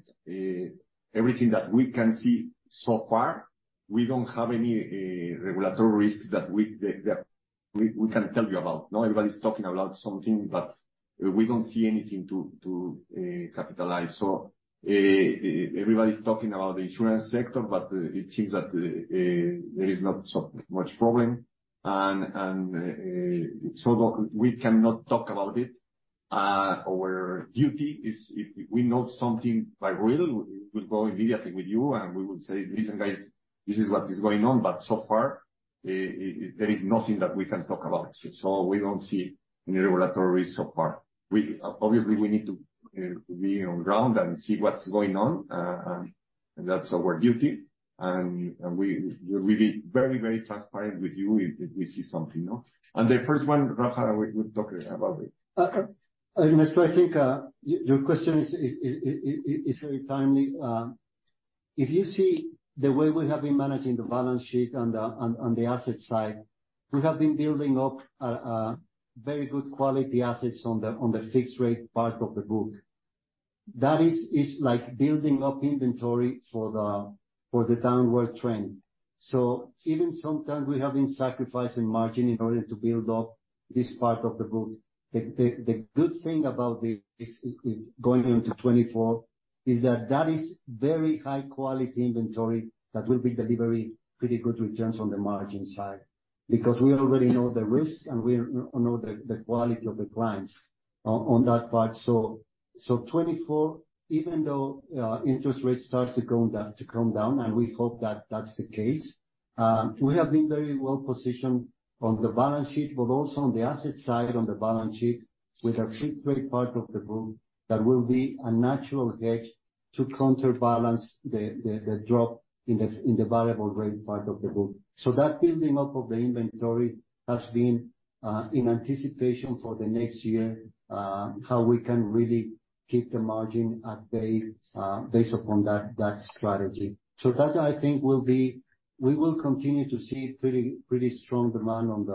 everything that we can see so far, we don't have any regulatory risks that we can tell you about. Now, everybody's talking about something, but we don't see anything to capitalize. So, everybody's talking about the insurance sector, but, it seems that there is not so much problem. And, so the... We cannot talk about it. Our duty is if we know something by real, we'll go immediately with you, and we will say: "Listen, guys, this is what is going on." But so far, there is nothing that we can talk about. So we don't see any regulatory risk so far. We-- Obviously, we need to be on ground and see what's going on. That's our duty. We'll be very, very transparent with you if we see something, no? The first one, Rafa, we'll talk about it. Ernesto, I think your question is very timely. If you see the way we have been managing the balance sheet on the asset side, we have been building up very good quality assets on the fixed rate part of the book. That is like building up inventory for the downward trend. So even sometimes we have been sacrificing margin in order to build up this part of the book. The good thing about this is going into 2024, is that that is very high quality inventory that will be delivering pretty good returns on the margin side. Because we already know the risk, and we know the quality of the clients on that part. So, 2024, even though interest rates starts to come down, to come down, and we hope that that's the case, we have been very well positioned on the balance sheet, but also on the asset side, on the balance sheet, with our fixed rate part of the book, that will be a natural hedge to counterbalance the drop in the variable rate part of the book. So that building up of the inventory has been in anticipation for the next year, how we can really keep the margin at bay, based upon that strategy. So that, I think, will be... We will continue to see pretty, pretty strong demand on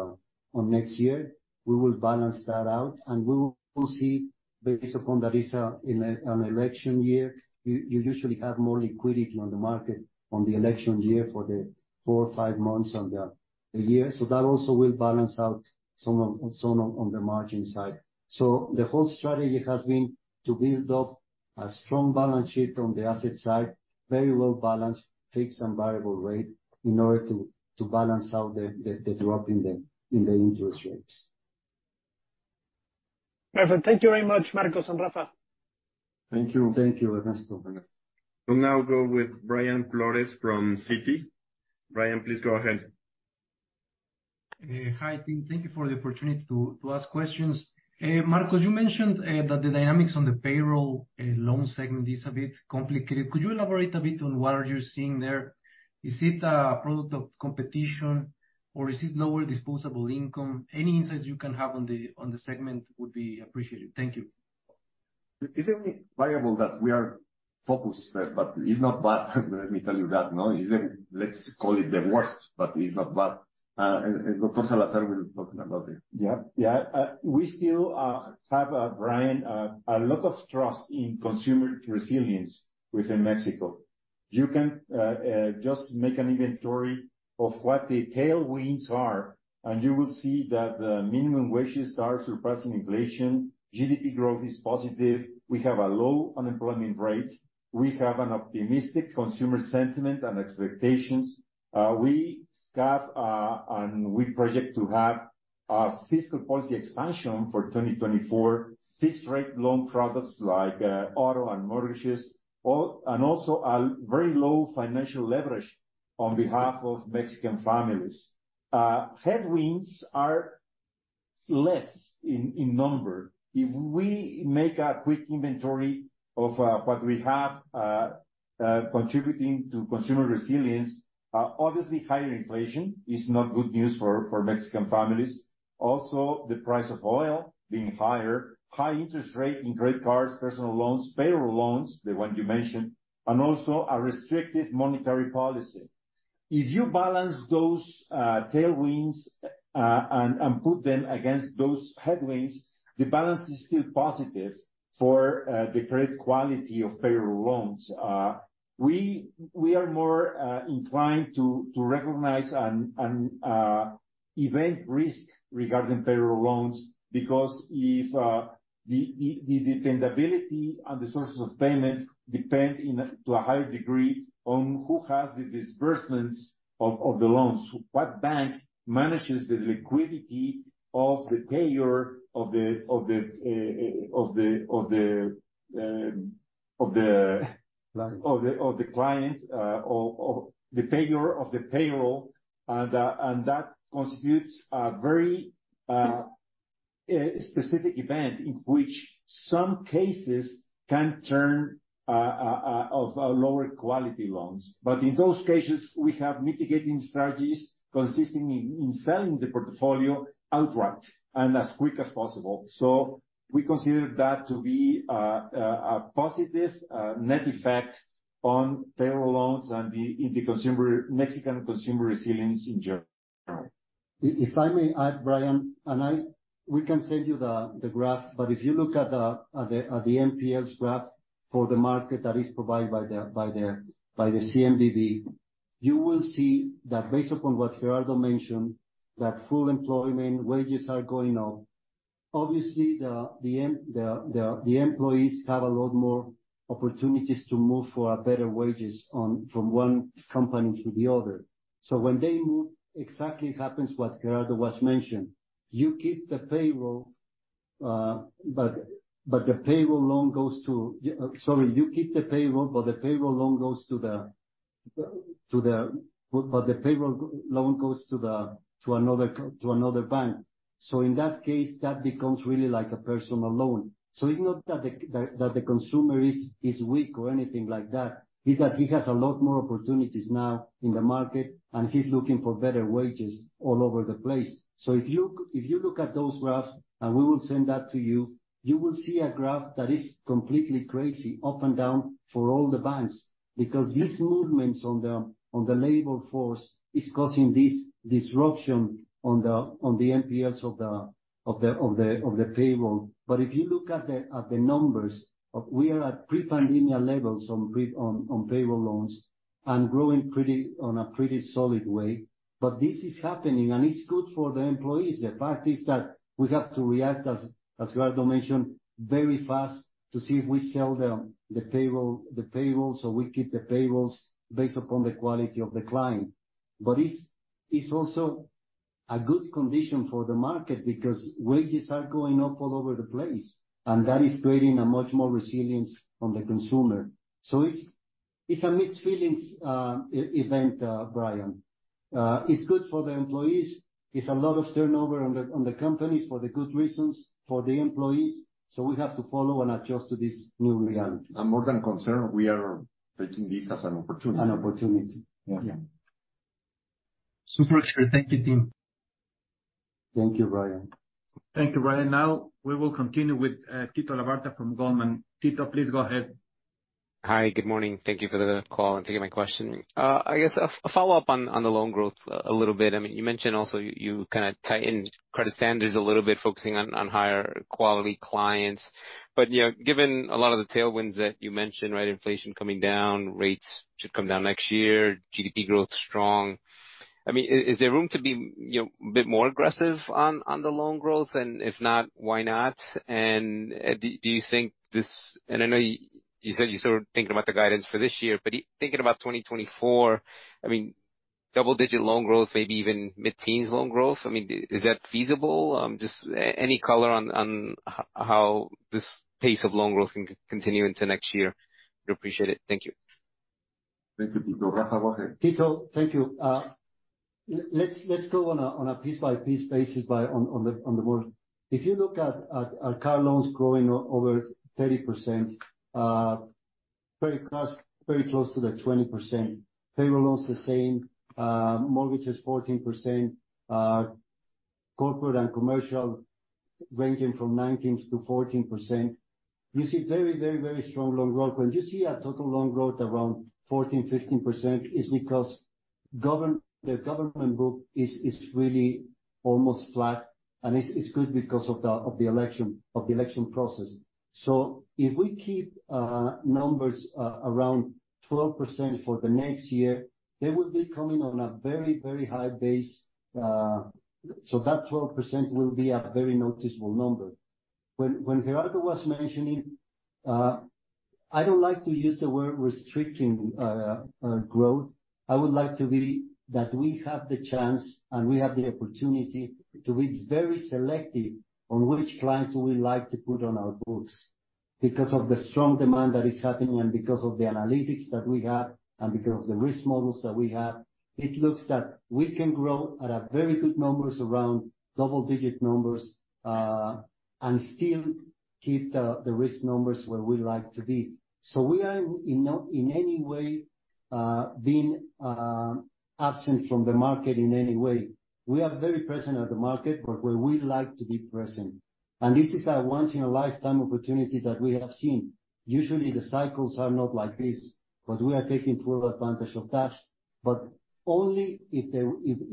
next year. We will balance that out, and we will see, based upon that it's an election year. You usually have more liquidity on the market in the election year for the four or five months of the year. So that also will balance out some on the margin side. So the whole strategy has been to build up a strong balance sheet on the asset side, very well balanced, fixed and variable rate, in order to balance out the drop in the interest rates. Perfect. Thank you very much, Marcos and Rafa. Thank you. Thank you, Ernesto. We'll now go with Brian Flores from Citi. Brian, please go ahead. Hi, team. Thank you for the opportunity to ask questions. Marcos, you mentioned that the dynamics on the payroll loan segment is a bit complicated. Could you elaborate a bit on what are you seeing there? Is it a product of competition, or is it lower disposable income? Any insights you can have on the segment would be appreciated. Thank you. It's a variable that we are focused, but it's not bad, let me tell you that, no? It's, let's call it the worst, but it's not bad. And Dr. Salazar will talking about it. Yeah. We still have, Brian, a lot of trust in consumer resilience within Mexico. You can just make an inventory of what the tailwinds are, and you will see that the minimum wages are surpassing inflation, GDP growth is positive, we have a low unemployment rate, we have an optimistic consumer sentiment and expectations. We have and we project to have a fiscal policy expansion for 2024, fixed rate loan products like auto and mortgages and also a very low financial leverage on behalf of Mexican families. Headwinds are less in number. If we make a quick inventory of what we have contributing to consumer resilience, obviously, higher inflation is not good news for Mexican families. Also, the price of oil being higher, high interest rate in credit cards, personal loans, payroll loans, the one you mentioned, and also a restrictive monetary policy. If you balance those tailwinds and put them against those headwinds, the balance is still positive for the credit quality of payroll loans. We are more inclined to recognize and event risk regarding payroll loans, because if the dependability and the sources of payment depend in a to a higher degree on who has the disbursements of the loans, what bank manages the liquidity of the payer of the of the of the- Client Of the client, of the payer of the payroll, and that constitutes a very specific event, in which some cases can turn of lower quality loans. But in those cases, we have mitigating strategies consisting in selling the portfolio outright and as quick as possible. So we consider that to be a positive net effect on payroll loans and the in the consumer, Mexican consumer resilience in general. If I may add, Brian, and I-- we can send you the graph, but if you look at the NPLs graph for the market that is provided by the CNBV, you will see that based upon what Gerardo mentioned, that full employment wages are going up. Obviously, the employees have a lot more opportunities to move for better wages from one company to the other. So when they move, exactly happens what Gerardo was mentioned. You keep the payroll, but the payroll loan goes to another bank. So in that case, that becomes really like a personal loan. So it's not that the consumer is weak or anything like that, it's that he has a lot more opportunities now in the market, and he's looking for better wages all over the place. So if you look at those graphs, and we will send that to you, you will see a graph that is completely crazy, up and down for all the banks. Because these movements on the labor force is causing this disruption on the NPLs of the payroll. But if you look at the numbers, we are at pre-pandemic levels on payroll loans, and growing on a pretty solid way. But this is happening, and it's good for the employees. The fact is that we have to react, as Gerardo mentioned, very fast to see if we sell the payroll, so we keep the payrolls based upon the quality of the client. But it's also a good condition for the market, because wages are going up all over the place, and that is creating a much more resilience on the consumer. So it's a mixed feelings, event, Brian. It's good for the employees. It's a lot of turnover on the companies for the good reasons, for the employees, so we have to follow and adjust to this new reality. More than concerned, we are taking this as an opportunity. An opportunity. Yeah. Yeah. Super sure. Thank you, team. Thank you, Brian. Thank you, Brian. Now, we will continue with Tito Labarta from Goldman. Tito, please go ahead. Hi, good morning. Thank you for the call, and thank you for my question. I guess a follow-up on the loan growth a little bit. I mean, you mentioned also you kinda tightened credit standards a little bit, focusing on higher quality clients. But, you know, given a lot of the tailwinds that you mentioned, right, inflation coming down, rates should come down next year, GDP growth strong. I mean, is there room to be, you know, a bit more aggressive on the loan growth? And if not, why not? And, do you think this... And I know you said you're sort of thinking about the guidance for this year, but thinking about 2024, I mean, double digit loan growth, maybe even mid-teens loan growth, I mean, is that feasible? Just any color on, on how this pace of loan growth can continue into next year? We appreciate it. Thank you. Thank you, Tito. Rafael, go ahead. Tito, thank you. Let's go on a piece-by-piece basis on the board. If you look at our car loans growing over 30%, very close to the 20%. Payroll loan's the same. Mortgage is 14%. Corporate and commercial ranging from 19%-14%. You see very, very strong loan growth. When you see a total loan growth around 14%-15%, it's because the government book is really almost flat, and it's good because of the election process. So if we keep numbers around 12% for the next year, they will be coming on a very, very high base. So that 12% will be a very noticeable number. When Gerardo was mentioning, I don't like to use the word restricting growth. I would like to believe that we have the chance, and we have the opportunity to be very selective on which clients we like to put on our books. Because of the strong demand that is happening, and because of the analytics that we have, and because of the risk models that we have, it looks that we can grow at very good numbers, around double digit numbers, and still keep the risk numbers where we like to be. So we are in no way being absent from the market in any way. We are very present at the market, but where we like to be present. And this is a once in a lifetime opportunity that we have seen. Usually, the cycles are not like this, but we are taking full advantage of that, but only if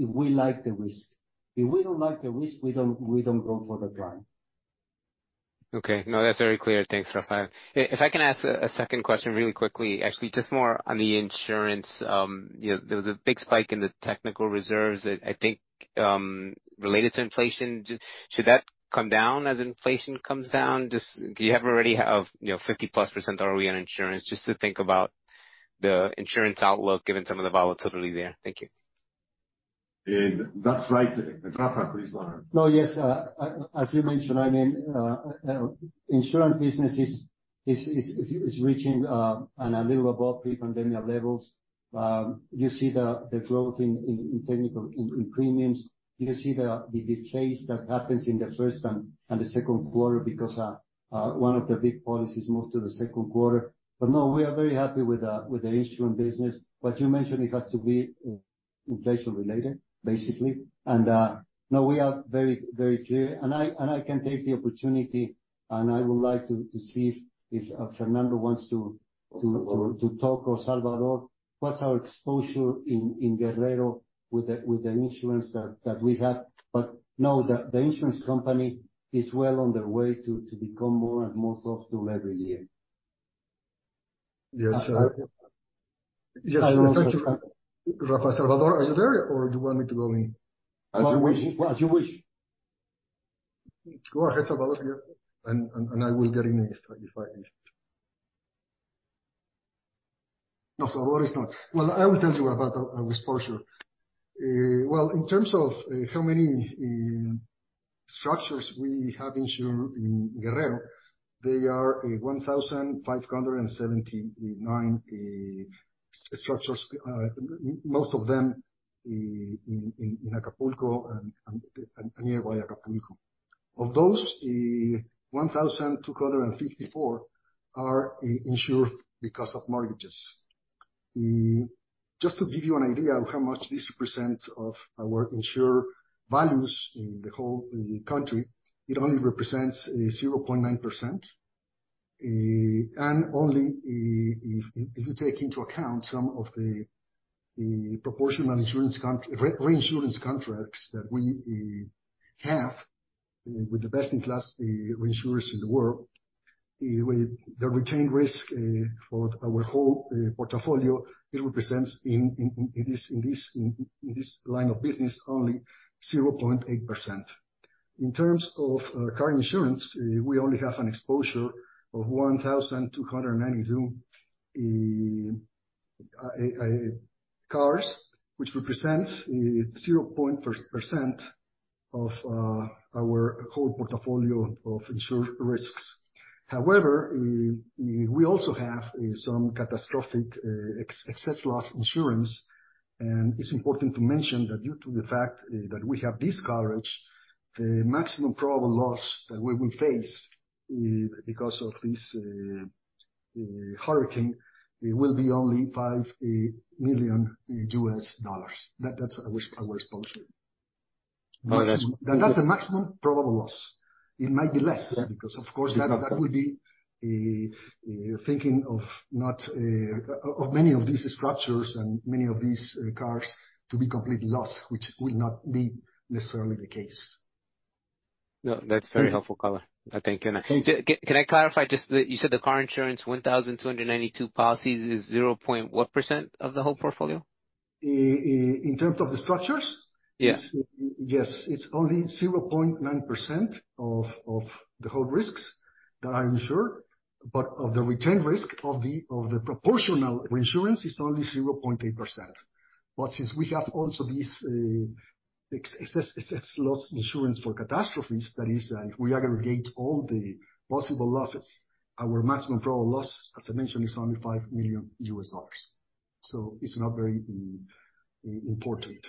we like the risk. If we don't like the risk, we don't go for the client. Okay. No, that's very clear. Thanks, Rafael. If I can ask a second question really quickly, actually, just more on the insurance. You know, there was a big spike in the technical reserves that I think related to inflation. Just, should that come down as inflation comes down? Just, do you already have, you know, 50%+ ROE on insurance, just to think about the insurance outlook, given some of the volatility there. Thank you. And that's right. Rafael, please go on. No, yes, as you mentioned, I mean, insurance business is reaching and a little above pre-pandemic levels. You see the growth in technical premiums. You see the change that happens in the first and the second quarter, because one of the big policies moved to the second quarter. But no, we are very happy with the insurance business. But you mentioned it has to be inflation related, basically. And no, we are very clear, and I can take the opportunity, and I would like to see if Fernando wants to. Sure. to talk, or Salvador, what's our exposure in Guerrero with the insurance that we have, but no, the insurance company is well on their way to become more and more profitable every year. Yes, sir. Yes, thank you, Rafael, Salvador, are you there, or do you want me to go in? As you wish. As you wish. Go ahead, Salvador, yeah, and I will get in if I. No, Salvador, it's not. Well, I will tell you about exposure. Well, in terms of how many structures we have insured in Guerrero, they are 1,579 structures. Most of them in Acapulco and nearby Acapulco. Of those, 1,254 are insured because of mortgages. Just to give you an idea of how much this percent of our insured values in the whole country, it only represents 0.9%. And only if you take into account some of the proportional insurance count reinsurance contracts that we have with the best-in-class reinsurers in the world, with the retained risk for our whole portfolio, it represents in this line of business only 0.8%. In terms of car insurance, we only have an exposure of 1,292 cars, which represents 0.1% of our whole portfolio of insured risks. However, we also have some catastrophic excess loss insurance. And it's important to mention that due to the fact that we have this coverage, the maximum probable loss that we will face because of this hurricane, it will be only $5 million. That's our exposure. Oh, that's- That's the maximum probable loss. It might be less- Yeah. Because of course, that, that would be thinking of not of many of these structures and many of these cars to be complete loss, which will not be necessarily the case. No, that's very helpful, Carlos. I thank you. Thank you. Can I clarify just that you said the car insurance, 1,292 policies, is 0. what% of the whole portfolio? In terms of the structures? Yes. Yes. It's only 0.9% of, of the whole risks that I insure, but of the retained risk of the, of the proportional reinsurance is only 0.8%. But since we have also this, excess loss insurance for catastrophes, that is, if we aggregate all the possible losses, our maximum probable loss, as I mentioned, is only $5 million. So it's not very, important.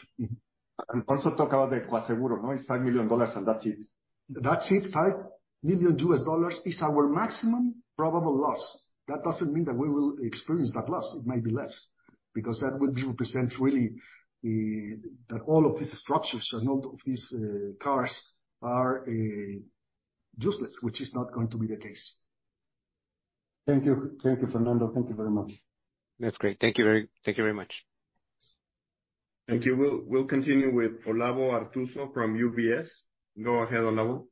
Also talk about the seguro, no, it's $5 million, and that's it. That's it. $5 million is our maximum probable loss. That doesn't mean that we will experience that loss. It might be less, because that would represent really, that all of these structures and all of these, cars are, useless, which is not going to be the case. Thank you. Thank you, Fernando. Thank you very much. That's great. Thank you very, thank you very much. Thank you. We'll, we'll continue with Olavo Arthuzo from UBS. Go ahead, Olavo.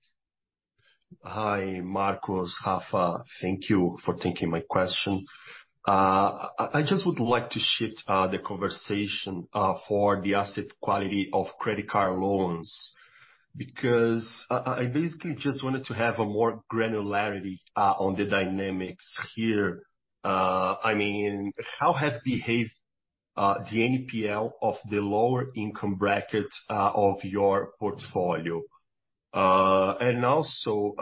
Hi, Marcos, Rafa, thank you for taking my question. I just would like to shift the conversation for the asset quality of credit card loans, because I basically just wanted to have a more granularity on the dynamics here. I mean, how have behaved the NPL of the lower income bracket of your portfolio? And also,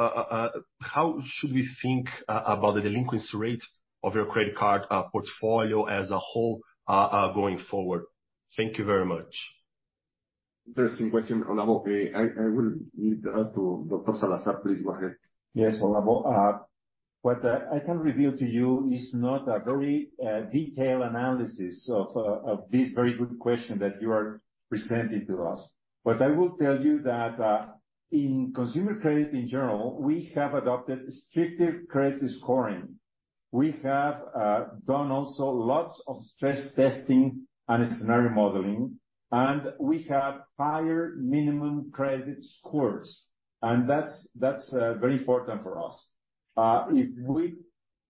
how should we think about the delinquency rate of your credit card portfolio as a whole going forward? Thank you very much. Interesting question, Olavo. I will need to hand to Dr. Salazar. Please go ahead. Yes, Olavo, what I can reveal to you is not a very detailed analysis of this very good question that you are presenting to us. But I will tell you that, in consumer credit in general, we have adopted stricter credit scoring. We have done also lots of stress testing and scenario modeling, and we have higher minimum credit scores, and that's, that's, very important for us. If we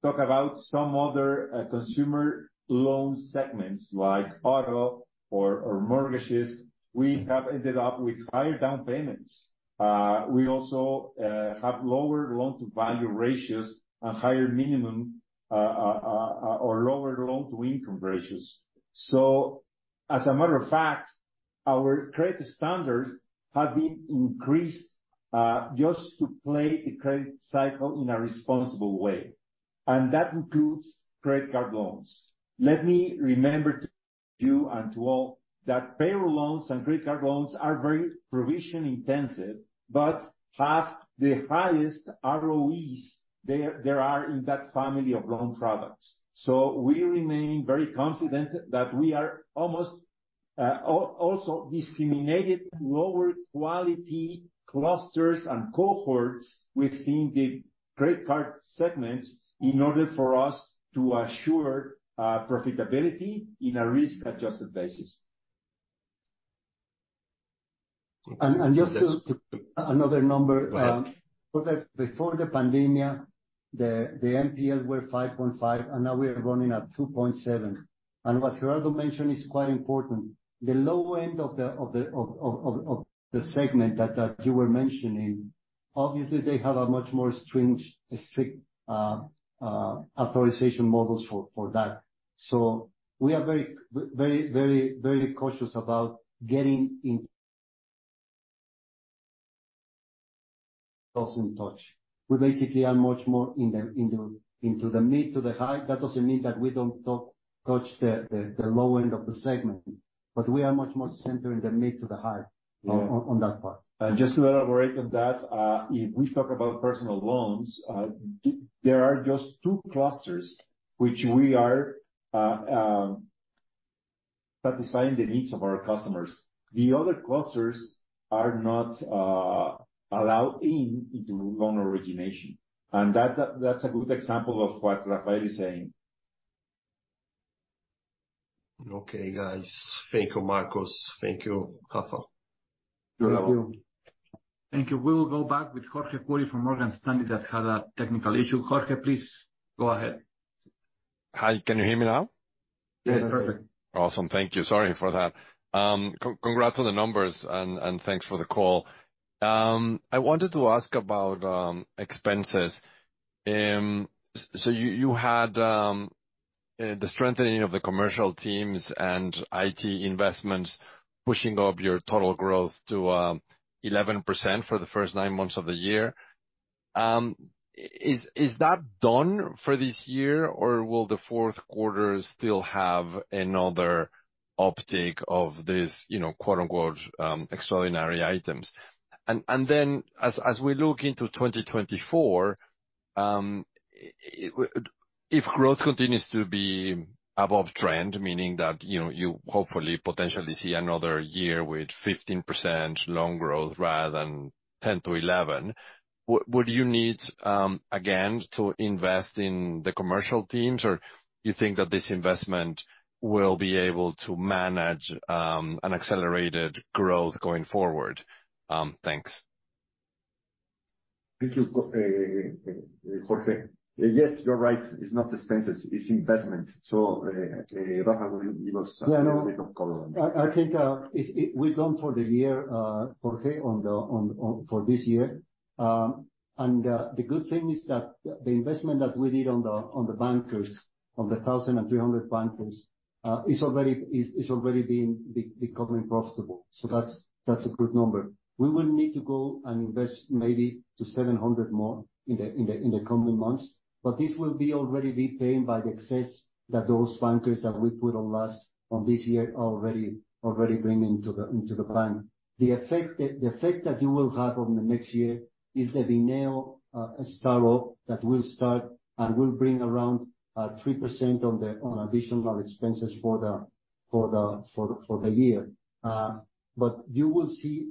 talk about some other consumer loan segments like auto or mortgages, we have ended up with higher down payments. We also have lower loan-to-value ratios and higher minimum or lower loan-to-income ratios. So as a matter of fact, our credit standards have been increased just to play the credit cycle in a responsible way, and that includes credit card loans. Let me remind you, and to all, that payroll loans and credit card loans are very provision intensive, but have the highest ROEs there, there are in that family of loan products. So we remain very confident that we are almost also discriminating lower quality clusters and cohorts within the credit card segments in order for us to assure profitability in a risk-adjusted basis. And just to- That's- another number. Go ahead. Before the pandemic- The NPLs were 5.5, and now we are running at 2.7. What Gerardo mentioned is quite important. The low end of the segment that you were mentioning, obviously they have a much more stringent, strict authorization models for that. So we are very cautious about getting in close in touch. We basically are much more in the mid to the high. That doesn't mean that we don't touch the low end of the segment, but we are much more centered in the mid to the high on that part. Just to elaborate on that, if we talk about personal loans, there are just two clusters which we are satisfying the needs of our customers. The other clusters are not allowed in into loan origination, and that's a good example of what Rafael is saying. Okay, guys. Thank you, Marcos. Thank you, Rafa. You're welcome. Thank you. Thank you. We will go back with Jorge Kuri from Morgan Stanley, that's had a technical issue. Jorge, please go ahead. Hi, can you hear me now? Yes, perfect. Awesome. Thank you. Sorry for that. Congrats on the numbers and, and thanks for the call. I wanted to ask about expenses. So you, you had the strengthening of the commercial teams and IT investments pushing up your total growth to 11% for the first nine months of the year. Is that done for this year, or will the fourth quarter still have another uptick of this, you know, quote, unquote, extraordinary items? As we look into 2024, if growth continues to be above trend, meaning that, you know, you hopefully potentially see another year with 15% loan growth rather than 10%-11%, would you need, again, to invest in the commercial teams, or you think that this investment will be able to manage an accelerated growth going forward? Thanks. Thank you, Jorge. Yes, you're right. It's not expenses, it's investment. So, Rafa, will you give us a little bit of color on that? I think we're done for the year, Jorge, for this year. And the good thing is that the investment that we did on the bankers, on the 1,300 bankers, is already becoming profitable. So that's a good number. We will need to go and invest maybe 700 more in the coming months, but this will already be paying by the excess that those bankers that we put on last year are already bringing into the bank. The effect that you will have on the next year is the Bineo startup that will start and will bring around 3% on additional expenses for the year. But you will see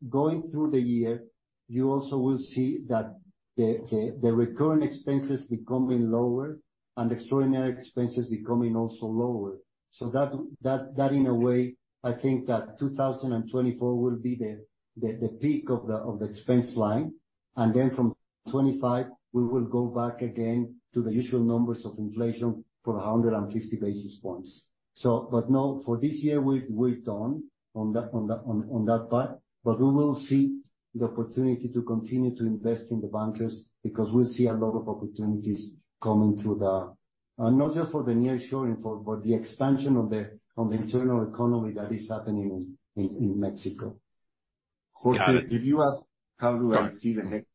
that going through the year, you also will see that the recurring expenses becoming lower and extraordinary expenses becoming also lower. So that in a way, I think that 2024 will be the peak of the expense line, and then from 2025, we will go back again to the usual numbers of inflation for 150 basis points. So, but no, for this year, we're done on that part, but we will see the opportunity to continue to invest in the bankers, because we see a lot of opportunities coming through the... not just for the nearshoring, but the expansion of the internal economy that is happening in Mexico. Jorge, if you ask how do I see the next?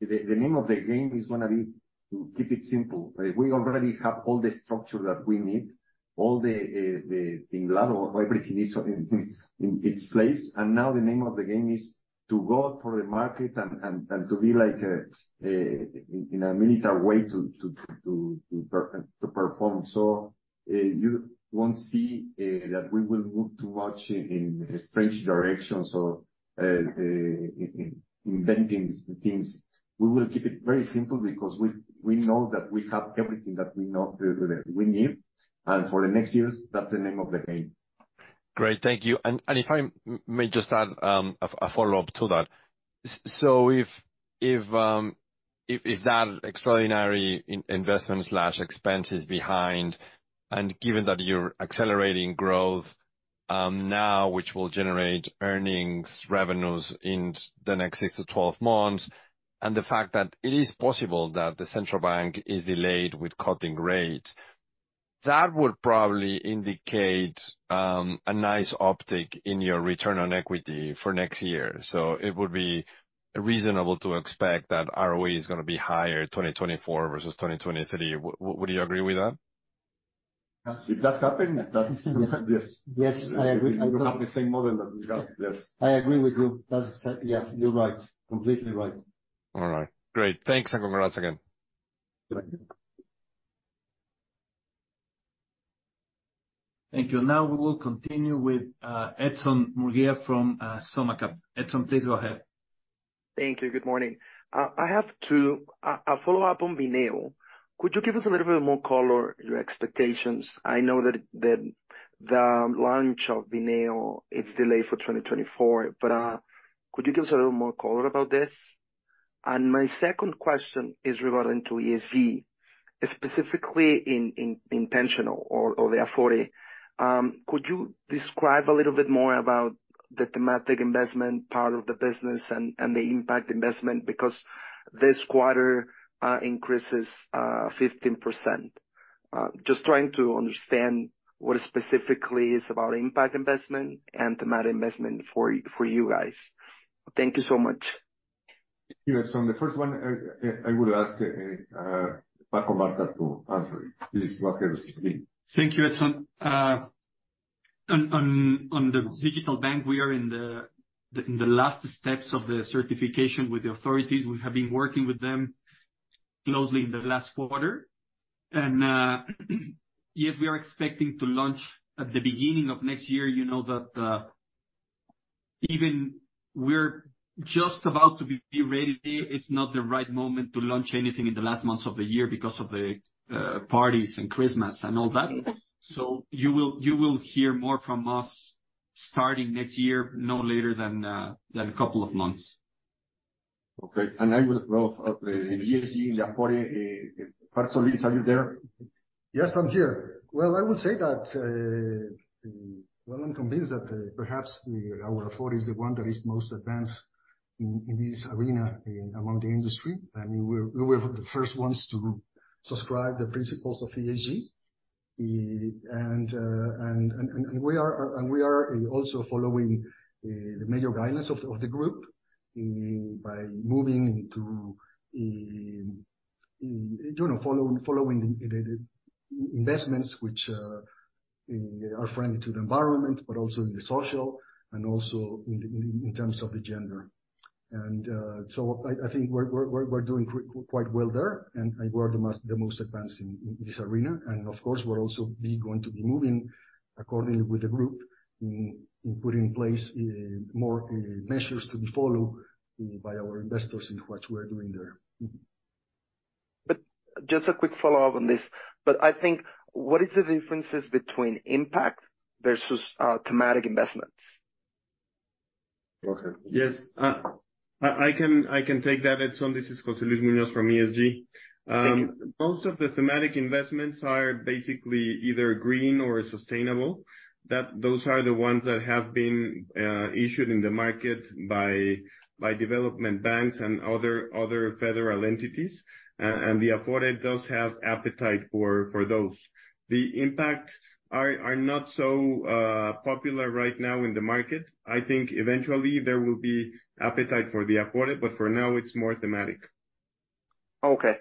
The name of the game is gonna be to keep it simple. We already have all the structure that we need. All the infrastructure is in place, and now the name of the game is to go out to the market and to be like, in a military way, to perform. So, you won't see that we will move too much in strange directions or in inventing things. We will keep it very simple because we know that we have everything that we need, and for the next years, that's the name of the game. Great, thank you. And if I may just add a follow-up to that. So if that extraordinary investment slash expense is behind, and given that you're accelerating growth now, which will generate earnings, revenues in the next six to 12 months, and the fact that it is possible that the central bank is delayed with cutting rates, that would probably indicate a nice uptick in your return on equity for next year. So it would be reasonable to expect that ROE is gonna be higher in 2024 versus 2023. Would you agree with that? If that happen, that's yes. Yes, I agree. We have the same model that we got. Yes. I agree with you. That's, yeah, you're right. Completely right. All right. Great. Thanks, and congrats again. Thank you. Thank you. Now, we will continue with, Edson Murguia from, SummaCap. Edson, please go ahead. Thank you. Good morning. I have a follow-up on Bineo. Could you give us a little bit more color, your expectations? I know that the launch of Bineo, it's delayed for 2024, but, could you give us a little more color about this? And my second question is regarding to ESG, specifically in pension or the Afore. Could you describe a little bit more about the thematic investment part of the business and the impact investment? Because this quarter increases 15%. Just trying to understand what specifically is about impact investment and thematic investment for you guys. Thank you so much. Thank you, Edson. The first one, I will ask Paco Martha to answer it. Please, Paco, please. Thank you, Edson. On the digital bank, we are in the last steps of the certification with the authorities. We have been working with them closely in the last quarter. And, yes, we are expecting to launch at the beginning of next year. You know, that even we're just about to be ready. It's not the right moment to launch anything in the last months of the year because of the parties and Christmas and all that. So you will hear more from us starting next year, no later than a couple of months. Okay. I will follow up, ESG, AFORE Solis, are you there? Yes, I'm here. Well, I will say that, well, I'm convinced that perhaps our Afore is the one that is most advanced in this arena among the industry. I mean, we're, we were the first ones to subscribe the principles of ESG. And, and, and we are, and we are also following the major guidance of the group by moving into, you know, following the investments which are friendly to the environment, but also in the social and also in terms of the gender. And, so I think we're doing quite well there, and we're the most advanced in this arena. Of course, we're also going to be moving accordingly with the group in putting in place more measures to be followed by our investors in what we're doing there. Just a quick follow-up on this. I think, what is the differences between impact versus, thematic investments? Okay. Yes. I can take that, Edson. This is José Luis Muñoz from ESG. Thank you. Most of the thematic investments are basically either green or sustainable. Those are the ones that have been issued in the market by development banks and other federal entities. And the Afore does have appetite for those. The impact are not so popular right now in the market. I think eventually there will be appetite for the Afore, but for now it's more thematic. Okay.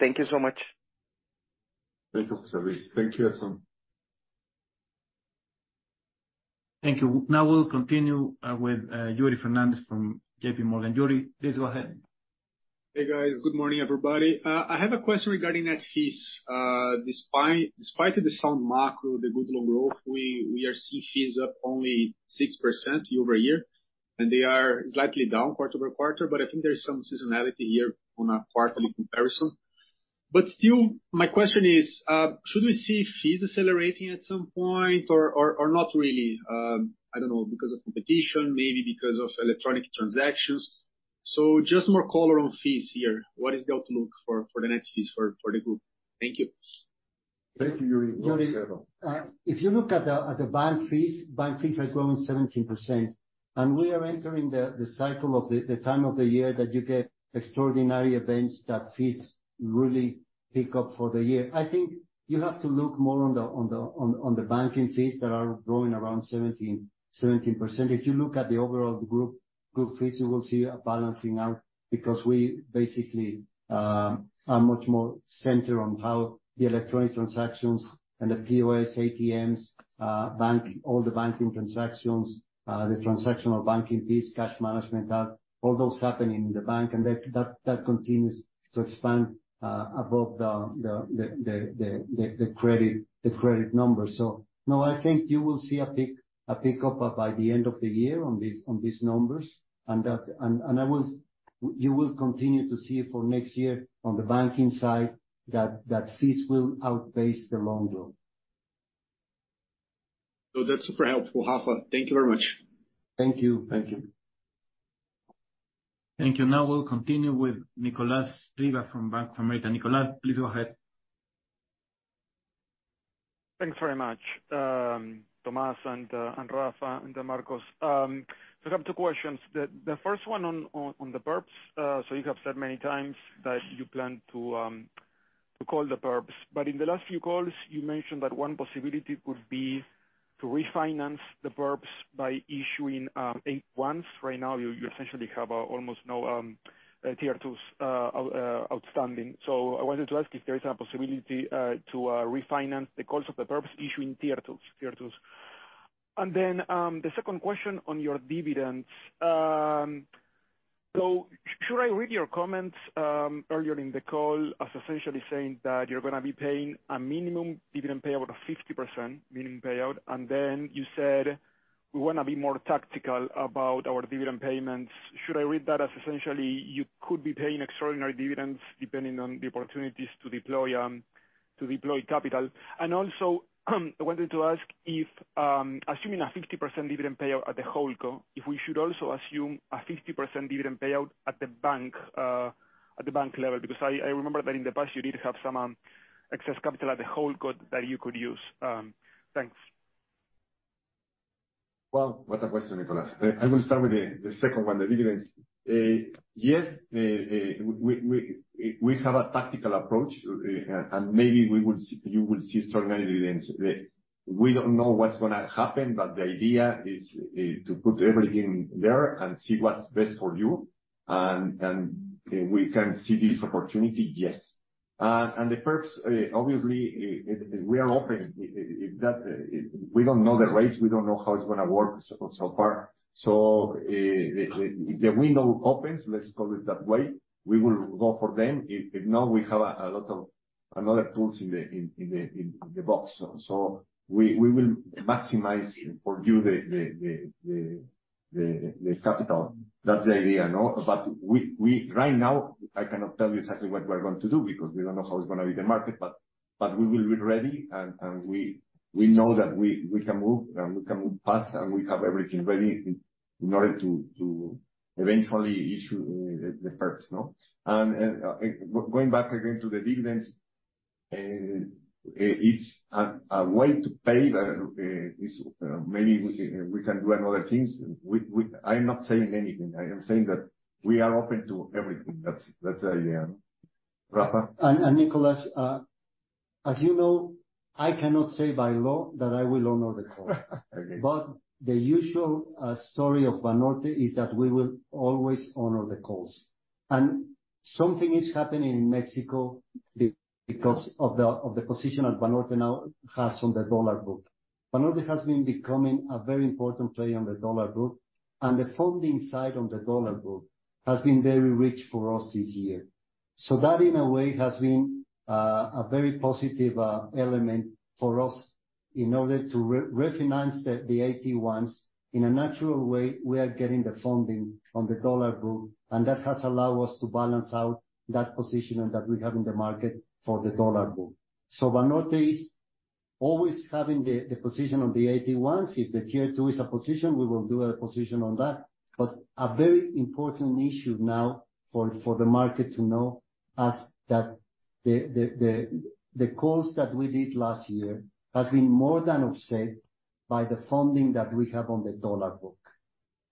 Thank you so much. Thank you, José Luis. Thank you, Edson. Thank you. Now we'll continue with Yuri Fernandez from JP Morgan. Yuri, please go ahead. Hey, guys. Good morning, everybody. I have a question regarding net fees. Despite, despite the sound macro, the good loan growth, we are seeing fees up only 6% year-over-year, and they are slightly down quarter-over-quarter, but I think there is some seasonality here on a quarterly comparison. But still, my question is, should we see fees accelerating at some point, or not really? I don't know, because of competition, maybe because of electronic transactions. So just more color on fees here. What is the outlook for the net fees for the group? Thank you. Thank you, Yuri. Yuri, if you look at the bank fees, bank fees are growing 17%, and we are entering the cycle of the time of the year that you get extraordinary events that fees really pick up for the year. I think you'll have to look more on the banking fees that are growing around 17%. If you look at the overall group, group fees, you will see a balancing out, because we basically are much more centered on how the electronic transactions and the POS, ATMs, bank, all the banking transactions, the transactional banking fees, cash management, that all those happen in the bank, and that continues to expand above the credit, the credit number. So no, I think you will see a pickup by the end of the year on these numbers, and you will continue to see it for next year on the banking side, that fees will outpace the loan growth. So that's super helpful, Rafa. Thank you very much. Thank you. Thank you. Thank you. Now we'll continue with Nicolas Riva from Bank of America. Nicholas, please go ahead. Thanks very much, Tomás and Rafa, and Marcos. So I have two questions. The first one on the Perps. So you have said many times that you plan to call the Perps, but in the last few calls, you mentioned that one possibility could be to refinance the Perps by issuing AT1s. Right now, you essentially have almost no Tier 2s outstanding. So I wanted to ask if there is a possibility to refinance the cost of the Perps issuing Tier 2s? And then the second question on your dividends. So should I read your comments earlier in the call as essentially saying that you're gonna be paying a minimum dividend payout of 50%, minimum payout, and then you said, "We wanna be more tactical about our dividend payments." Should I read that as essentially you could be paying extraordinary dividends depending on the opportunities to deploy them? to deploy capital. And also, I wanted to ask if, assuming a 50% dividend payout at the holdco, if we should also assume a 50% dividend payout at the bank, at the bank level? Because I remember that in the past, you did have some excess capital at the holdco that you could use. Thanks. Well, what a question, Nicolas. I will start with the second one, the dividends. Yes, we have a tactical approach, and maybe we will see, you will see extraordinary dividends. We don't know what's gonna happen, but the idea is to put everything there and see what's best for you. And we can see this opportunity, yes. And the perks, obviously, we are open. If that... We don't know the rates, we don't know how it's gonna work so far. So, if the window opens, let's call it that way, we will go for them. If not, we have a lot of another tools in the box. So we will maximize for you the capital. That's the idea, no? But we-- right now, I cannot tell you exactly what we are going to do because we don't know how it's gonna be the market, but we will be ready. And we know that we can move, and we can move fast, and we have everything ready in order to eventually issue the perps, no? And going back again to the dividends, it's a way to pay, is, maybe we can do another things. We-- I'm not saying anything. I am saying that we are open to everything. That's the idea. Rafa? Nicholas, as you know, I cannot say by law that I will honor the call. Okay. But the usual story of Banorte is that we will always honor the calls. And something is happening in Mexico because of the position that Banorte now has on the dollar book. Banorte has been becoming a very important player on the dollar book, and the funding side on the dollar book has been very rich for us this year. So that, in a way, has been a very positive element for us in order to refinance the AT1s. In a natural way, we are getting the funding on the dollar book, and that has allowed us to balance out that position that we have in the market for the dollar book. So Banorte is always having the position on the AT1s. If the tier two is a position, we will do a position on that. But a very important issue now for the market to know is that the calls that we did last year has been more than offset by the funding that we have on the dollar book.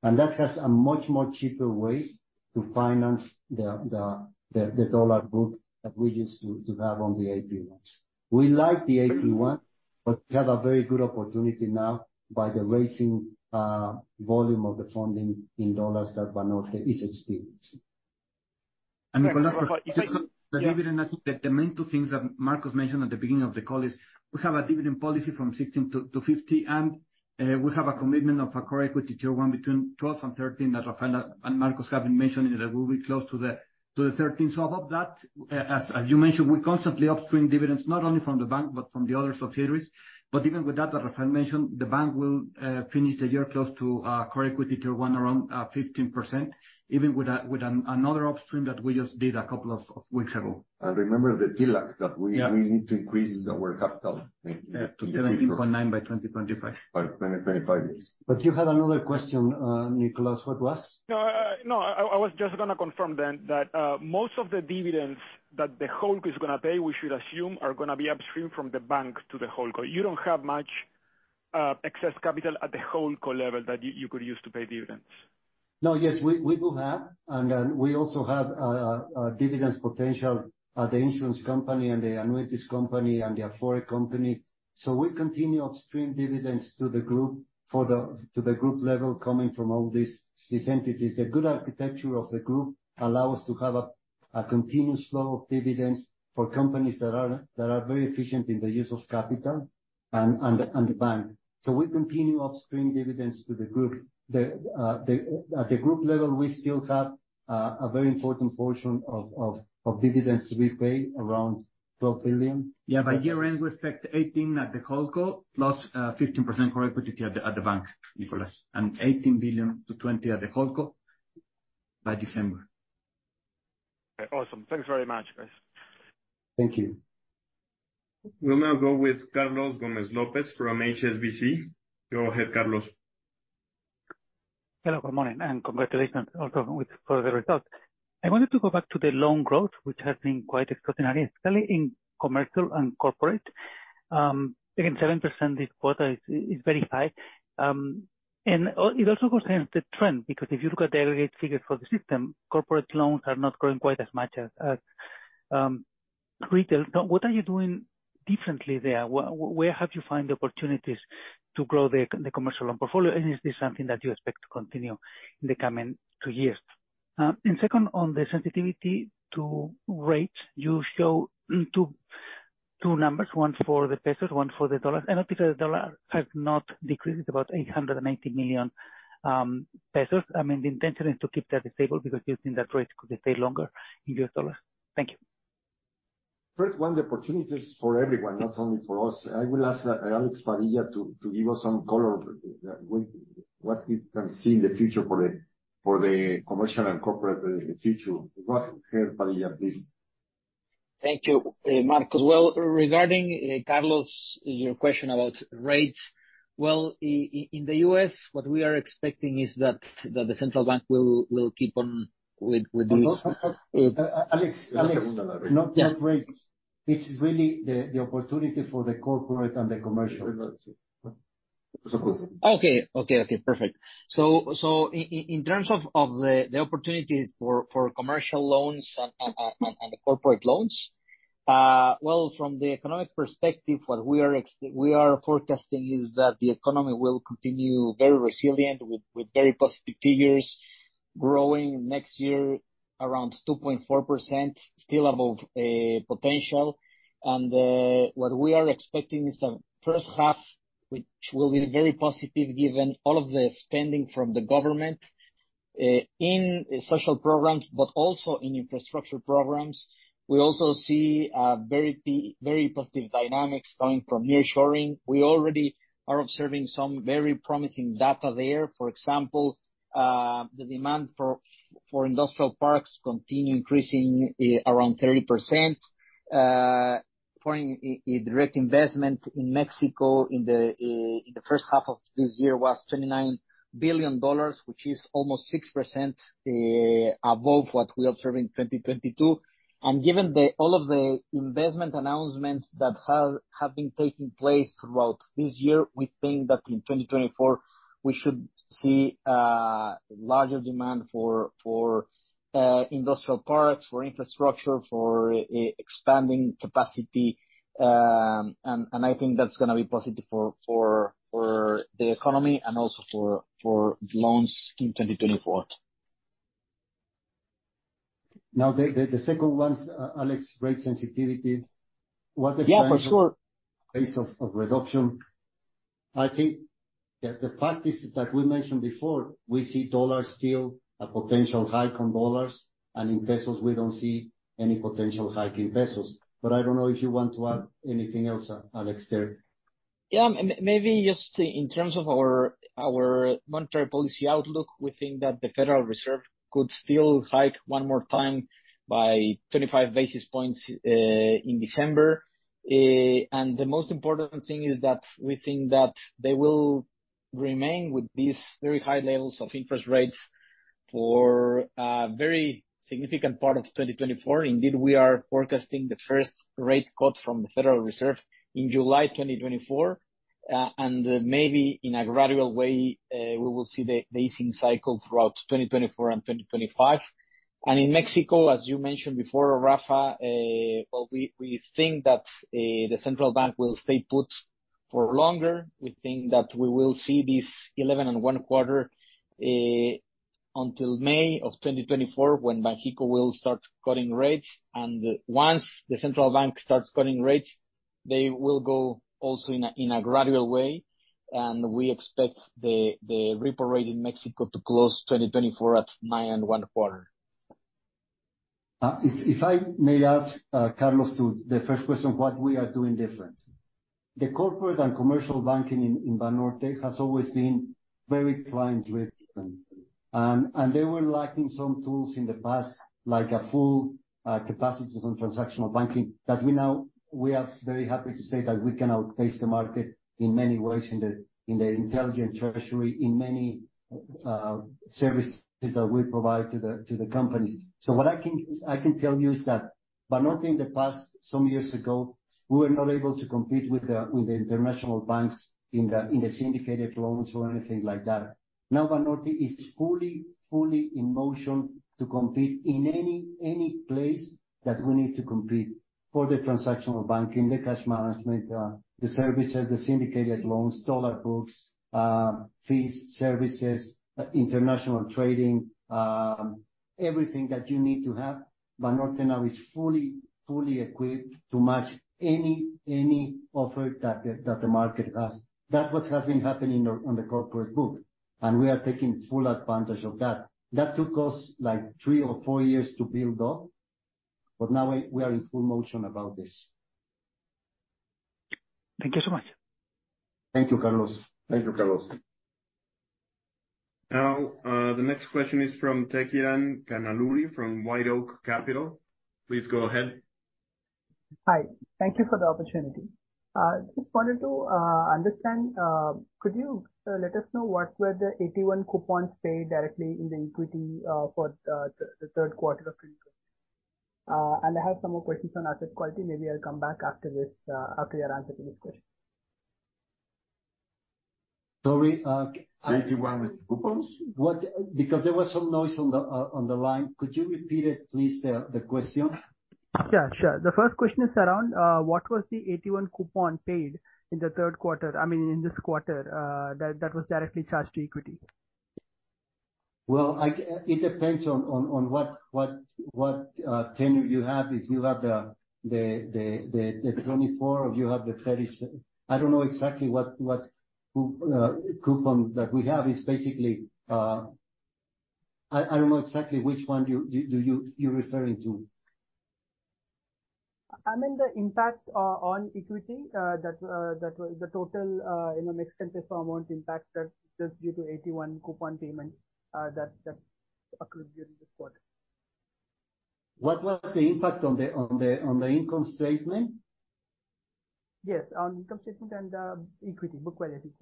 And that has a much more cheaper way to finance the dollar book that we used to have on the AT1s. We like the AT1, but we have a very good opportunity now by the rising volume of the funding in dollars that Banorte is experiencing. And the main two things that Marcos mentioned at the beginning of the call is, we have a dividend policy from 16 to 50, and we have a commitment of a core equity tier one between 12 and 13, that Rafael and Marcos have been mentioning, that we'll be close to the 13. So above that, as you mentioned, we constantly upstream dividends, not only from the bank, but from the other subsidiaries. But even with that, as Rafael mentioned, the bank will finish the year close to core equity tier one, around 15%, even with another upstream that we just did a couple of weeks ago. Remember the TLAC, that we- Yeah we need to increase our capital. Yeah, to 17.9% by 2025. By 2025, yes. But you had another question, Nicolas, what was? No, no, I was just gonna confirm then, that most of the dividends that the holdco is gonna pay, we should assume, are gonna be upstream from the bank to the holdco. You don't have much excess capital at the holdco level that you could use to pay dividends? No, yes, we, we do have, and, we also have, dividends potential at the insurance company and the annuities company and the afore company. So we continue upstream dividends to the group to the group level, coming from all these, these entities. The good architecture of the group allow us to have a, a continuous flow of dividends for companies that are, that are very efficient in the use of capital and, and the, and the bank. So we continue upstream dividends to the group. The, at the group level, we still have, a very important portion of, of, of dividends to be paid around 12 billion. Yeah, by year-end, we expect 18 at the holdco, plus 15% core equity at the bank, Nicolas, and 18 billion-20 billion at the holdco by December. Okay, awesome. Thanks very much, guys. Thank you. We'll now go with Carlos Gomez-Lopez from HSBC. Go ahead, Carlos. Hello, good morning, and congratulations also with, for the results. I wanted to go back to the loan growth, which has been quite extraordinary, especially in commercial and corporate. Again, 7% this quarter is, is very high. And it also goes against the trend, because if you look at the aggregate figures for the system, corporate loans are not growing quite as much as, as, retail. So what are you doing differently there? Where have you found the opportunities to grow the the commercial loan portfolio? And is this something that you expect to continue in the coming two years? And second, on the sensitivity to rates, you show two numbers, one for the pesos, one for the dollars. I notice that the dollar has not decreased about 880 million pesos. I mean, the intention is to keep that disabled, because you think that rates could stay longer in U.S. dollars. Thank you. First, one, the opportunities for everyone, not only for us. I will ask Alex Padilla to give us some color with what we can see in the future for the commercial and corporate in the future, what help are you at least? Thank you, Marcos. Well, regarding Carlos, your question about rates, well, in the U.S., what we are expecting is that the central bank will keep on with this- Alex, not rates. It's really the opportunity for the corporate and the commercial. Okay. Perfect. So, in terms of the opportunity for commercial loans and corporate loans, well, from the economic perspective, what we are forecasting is that the economy will continue very resilient with very positive figures, growing next year around 2.4%, still above potential. And, what we are expecting is the first half, which will be very positive, given all of the spending from the government in social programs, but also in infrastructure programs. We also see very positive dynamics coming from nearshoring. We already are observing some very promising data there. For example, the demand for industrial parks continue increasing around 30%. Foreign direct investment in Mexico in the first half of this year was $29 billion, which is almost 6% above what we observed in 2022. Given the all of the investment announcements that have been taking place throughout this year, we think that in 2024, we should see larger demand for industrial parks, for infrastructure, for expanding capacity. I think that's gonna be positive for the economy and also for loans in 2024. Now, the second one, Alex, rate sensitivity. What the- Yeah, for sure. I think that the fact is that we mentioned before, we see dollar still a potential hike on dollars, and in pesos, we don't see any potential hike in pesos. But I don't know if you want to add anything else, Alejandro, there. Yeah, maybe just in terms of our, our monetary policy outlook, we think that the Federal Reserve could still hike one more time by 25 basis points in December. And the most important thing is that we think that they will remain with these very high levels of interest rates for a very significant part of 2024. Indeed, we are forecasting the first rate cut from the Federal Reserve in July 2024, and maybe in a gradual way, we will see the easing cycle throughout 2024 and 2025. And in Mexico, as you mentioned before, Rafa, well, we think that the central bank will stay put for longer. We think that we will see this 11.25 until May 2024, when Banxico will start cutting rates. Once the central bank starts cutting rates, they will go also in a gradual way, and we expect the repo rate in Mexico to close 2024 at 9.25%. If I may add, Carlos, to the first question, what we are doing different. The corporate and commercial banking in Banorte has always been very client-driven, and they were lacking some tools in the past, like a full capacity on transactional banking, that we now are very happy to say that we can outpace the market in many ways, in the Intelligent Treasury, in many services that we provide to the company. So what I can tell you is that Banorte in the past, some years ago, we were not able to compete with the international banks in the syndicated loans or anything like that. Now, Banorte is fully, fully in motion to compete in any, any place that we need to compete for the transactional banking, the cash management, the services, the syndicated loans, dollar books, fees, services, international trading, everything that you need to have. Banorte now is fully, fully equipped to match any, any offer that the, that the market has. That's what has been happening on the corporate book, and we are taking full advantage of that. That took us, like, three or four years to build up, but now we are in full motion about this. Thank you so much. Thank you, Carlos. Thank you, Carlos. Now, the next question is from Tejkiran Kannaluri from White Oak Capital. Please go ahead. Hi. Thank you for the opportunity. Just wanted to understand, could you let us know what were the AT1 coupons paid directly in the equity, for the third quarter of 2024? And I have some more questions on asset quality. Maybe I'll come back after this, after your answer to this question. Sorry, uh- AT1 with coupons? Because there was some noise on the line, could you repeat it, please, the question? Yeah, sure. The first question is around what was the AT1 coupon paid in the third quarter, I mean, in this quarter, that that was directly charged to equity? Well, it depends on what tenure you have. If you have the 24, or you have the 30 s- I don't know exactly what coupon that we have. It's basically, I don't know exactly which one you're referring to. I mean, the impact on equity that was the total, you know, net amount impacted just due to 81 coupon payment that occurred during this quarter. What was the impact on the income statement? Yes, on income statement and equity, book value equity.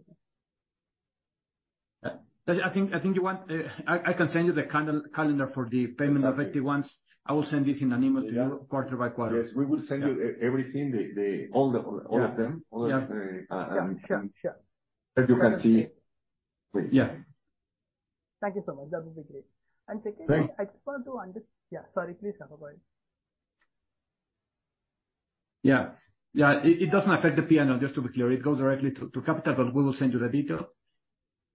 I think you want. I can send you the calendar for the payment- Exactly. effective ones. I will send this in an email to you. Yeah. quarter by quarter. Yes, we will send you everything, all of them. Yeah. All of the Yeah, sure, sure. That you can see. Yes. Thank you so much. That would be great. And secondly- Thank- I just wanted to. Yeah, sorry, please have a go. Yeah. Yeah, it doesn't affect the P&L, just to be clear. It goes directly to capital, but we will send you the detail.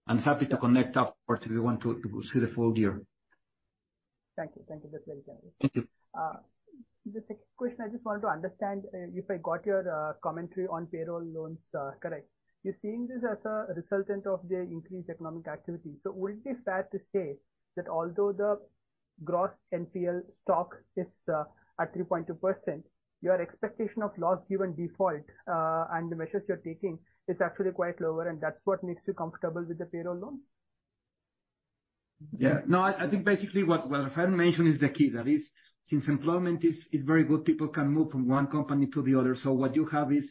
I'm happy to connect afterwards if you want to see the full year. Thank you. Thank you, that's very generous. Thank you. The second question, I just wanted to understand if I got your commentary on payroll loans correct. You're seeing this as a resultant of the increased economic activity. So would it be fair to say that although the gross NPL stock is at 3.2%, your expectation of loss given default and the measures you're taking is actually quite lower, and that's what makes you comfortable with the payroll loans? Yeah. No, I think basically what Rafael mentioned is the key. That is, since employment is very good, people can move from one company to the other. So what you have is,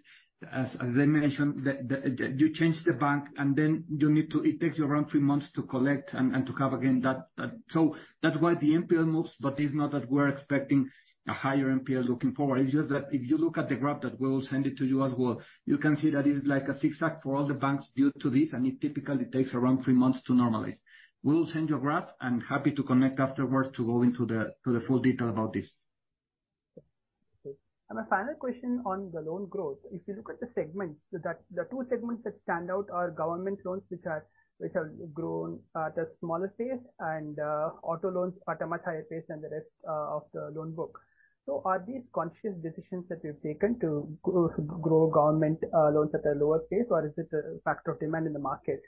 as I mentioned, the-- You change the bank, and then you need to... It takes you around three months to collect and to have again that... So that's why the NPL moves, but it's not that we're expecting a higher NPL looking forward. It's just that if you look at the graph that we will send it to you as well, you can see that it's like a zigzag for all the banks due to this, and it typically takes around three months to normalize. We will send you a graph. I'm happy to connect afterwards to go into the full detail about this. Okay. My final question on the loan growth, if you look at the segments, so that the two segments that stand out are government loans, which have grown at a smaller pace, and auto loans at a much higher pace than the rest of the loan book. So are these conscious decisions that you've taken to grow government loans at a lower pace, or is it a factor of demand in the market?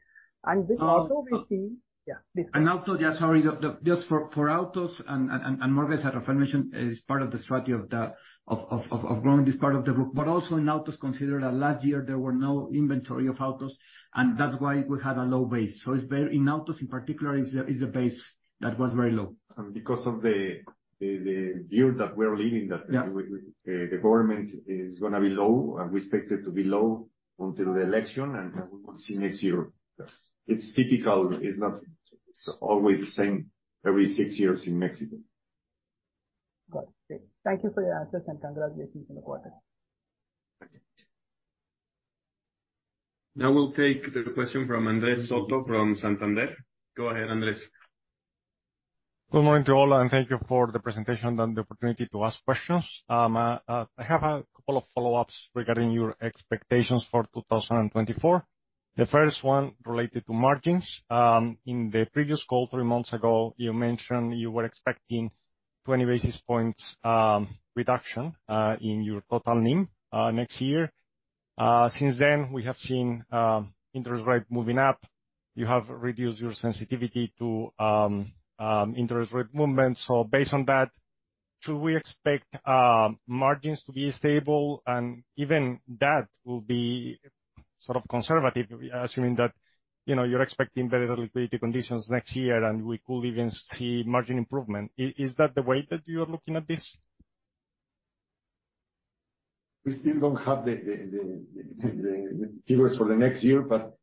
And this also we see- And auto- Yeah, please. And auto, yeah, sorry. The just for autos and mortgages, as Rafael mentioned, is part of the strategy of growing this part of the book. But also, in autos, consider that last year there were no inventory of autos, and that's why we had a low base. So it's very. In autos, in particular, is a base that was very low. Because of the year that we're living, the- Yeah The government is gonna be low, and we expect it to be low until the election, and then we will see next year. It's typical. It's not always the same every six years in Mexico. Got it. Okay. Thank you for the answers, and congratulations on the quarter. Now we'll take the question from Andres Soto from Santander. Go ahead, Andres. Good morning to all, and thank you for the presentation and the opportunity to ask questions. I have a couple of follow-ups regarding your expectations for 2024. The first one related to margins. In the previous call, three months ago, you mentioned you were expecting 20 basis points reduction in your total NIM next year. Since then, we have seen interest rate moving up. You have reduced your sensitivity to interest rate movements. So based on that, should we expect margins to be stable? And even that will be sort of conservative, assuming that, you know, you're expecting better liquidity conditions next year, and we could even see margin improvement. Is that the way that you are looking at this? We still don't have the figures for the next year, but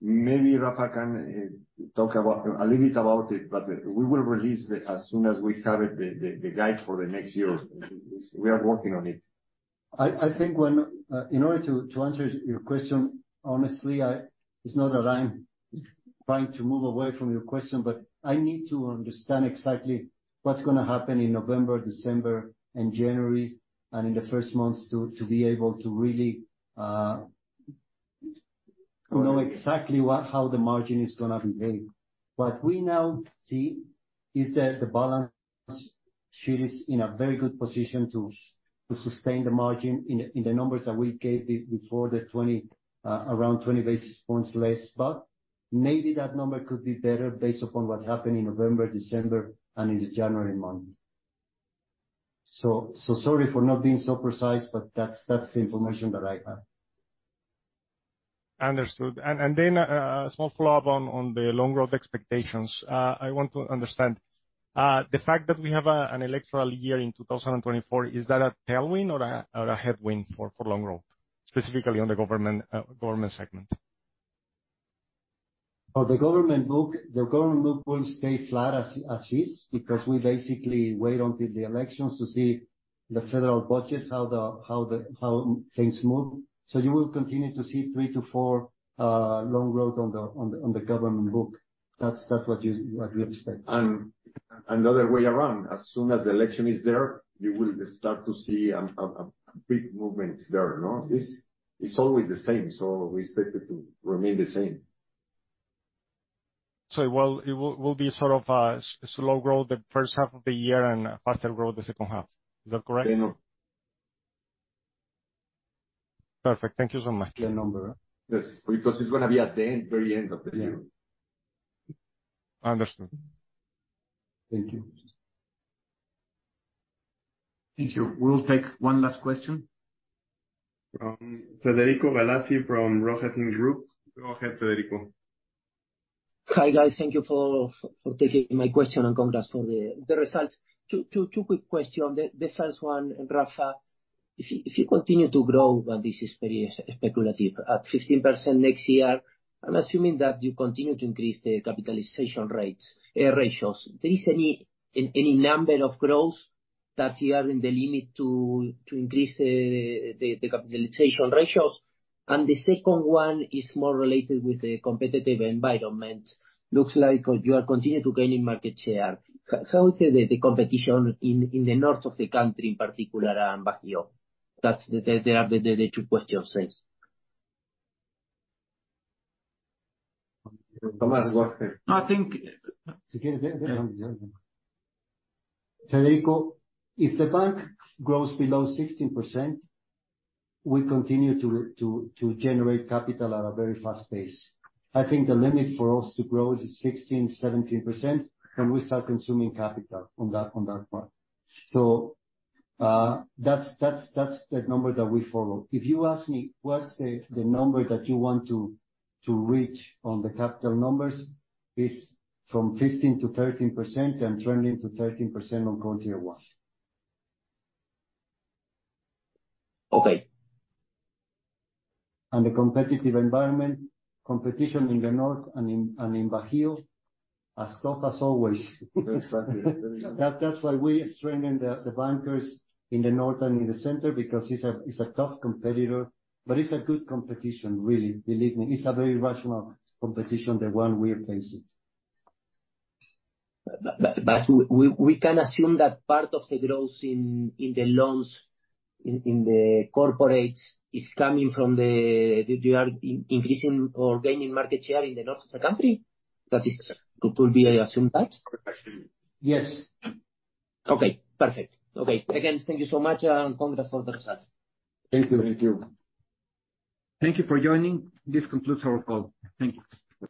maybe Rafa can talk about a little bit about it, but we will release it as soon as we have it, the guide for the next year. We are working on it. I think, in order to answer your question, honestly, I... It's not that I'm trying to move away from your question, but I need to understand exactly what's gonna happen in November, December, and January and in the first months to be able to really know exactly what how the margin is gonna behave. What we now see is that the balance sheet is in a very good position to sustain the margin in the numbers that we gave it before the 20, around 20 basis points less, but maybe that number could be better based upon what happened in November, December, and in the January month. So, sorry for not being so precise, but that's the information that I have. Understood. And then, a small follow-up on the loan growth expectations. I want to understand the fact that we have an electoral year in 2024. Is that a tailwind or a headwind for loan growth, specifically on the government government segment? Oh, the government book will stay flat as is, because we basically wait until the elections to see the federal budget, how things move. So you will continue to see three to four low growth on the government book. That's what we expect. And the other way around, as soon as the election is there, you will start to see a big movement there, no? This is always the same, so we expect it to remain the same. Well, it will be sort of a slow growth the first half of the year and a faster growth the second half. Is that correct? Yeah, no. Perfect. Thank you so much. The number. Yes, because it's gonna be at the end, very end of the year. Understood. Thank you. Thank you. We'll take one last question. From Federico Galassi from Rohatyn Group. Go ahead, Federico. Hi, guys. Thank you for taking my question, and congrats for the results. Two quick questions. The first one, Rafa, if you continue to grow, and this is very speculative, at 16% next year, I'm assuming that you continue to increase the capitalization ratios. Is there any number of growth that you are in the limit to increase the capitalization ratios? And the second one is more related with the competitive environment. Looks like you are continuing to gain in market share. How is the competition in the north of the country, in particular, Bajío? That's the two questions. Tomás, go ahead. I think- Federico, if the bank grows below 16%, we continue to generate capital at a very fast pace. I think the limit for us to grow is 16%-17%, and we start consuming capital on that part. So, that's the number that we follow. If you ask me what's the number that you want to reach on the capital numbers, it's from 15%-13%, and trending to 13% on quarter one. Okay. The competitive environment, competition in the north and in Bajío, as tough as always. Exactly. That, that's why we are strengthening the bankers in the north and in the center, because it's a tough competitor, but it's a good competition, really, believe me. It's a very rational competition, the one we are facing. But we can assume that part of the growth in the loans in the corporates is coming from the... You are increasing or gaining market share in the north of the country? That is, could we assume that? Yes. Okay, perfect. Okay. Again, thank you so much, and congrats on the results. Thank you. Thank you. Thank you for joining. This concludes our call. Thank you.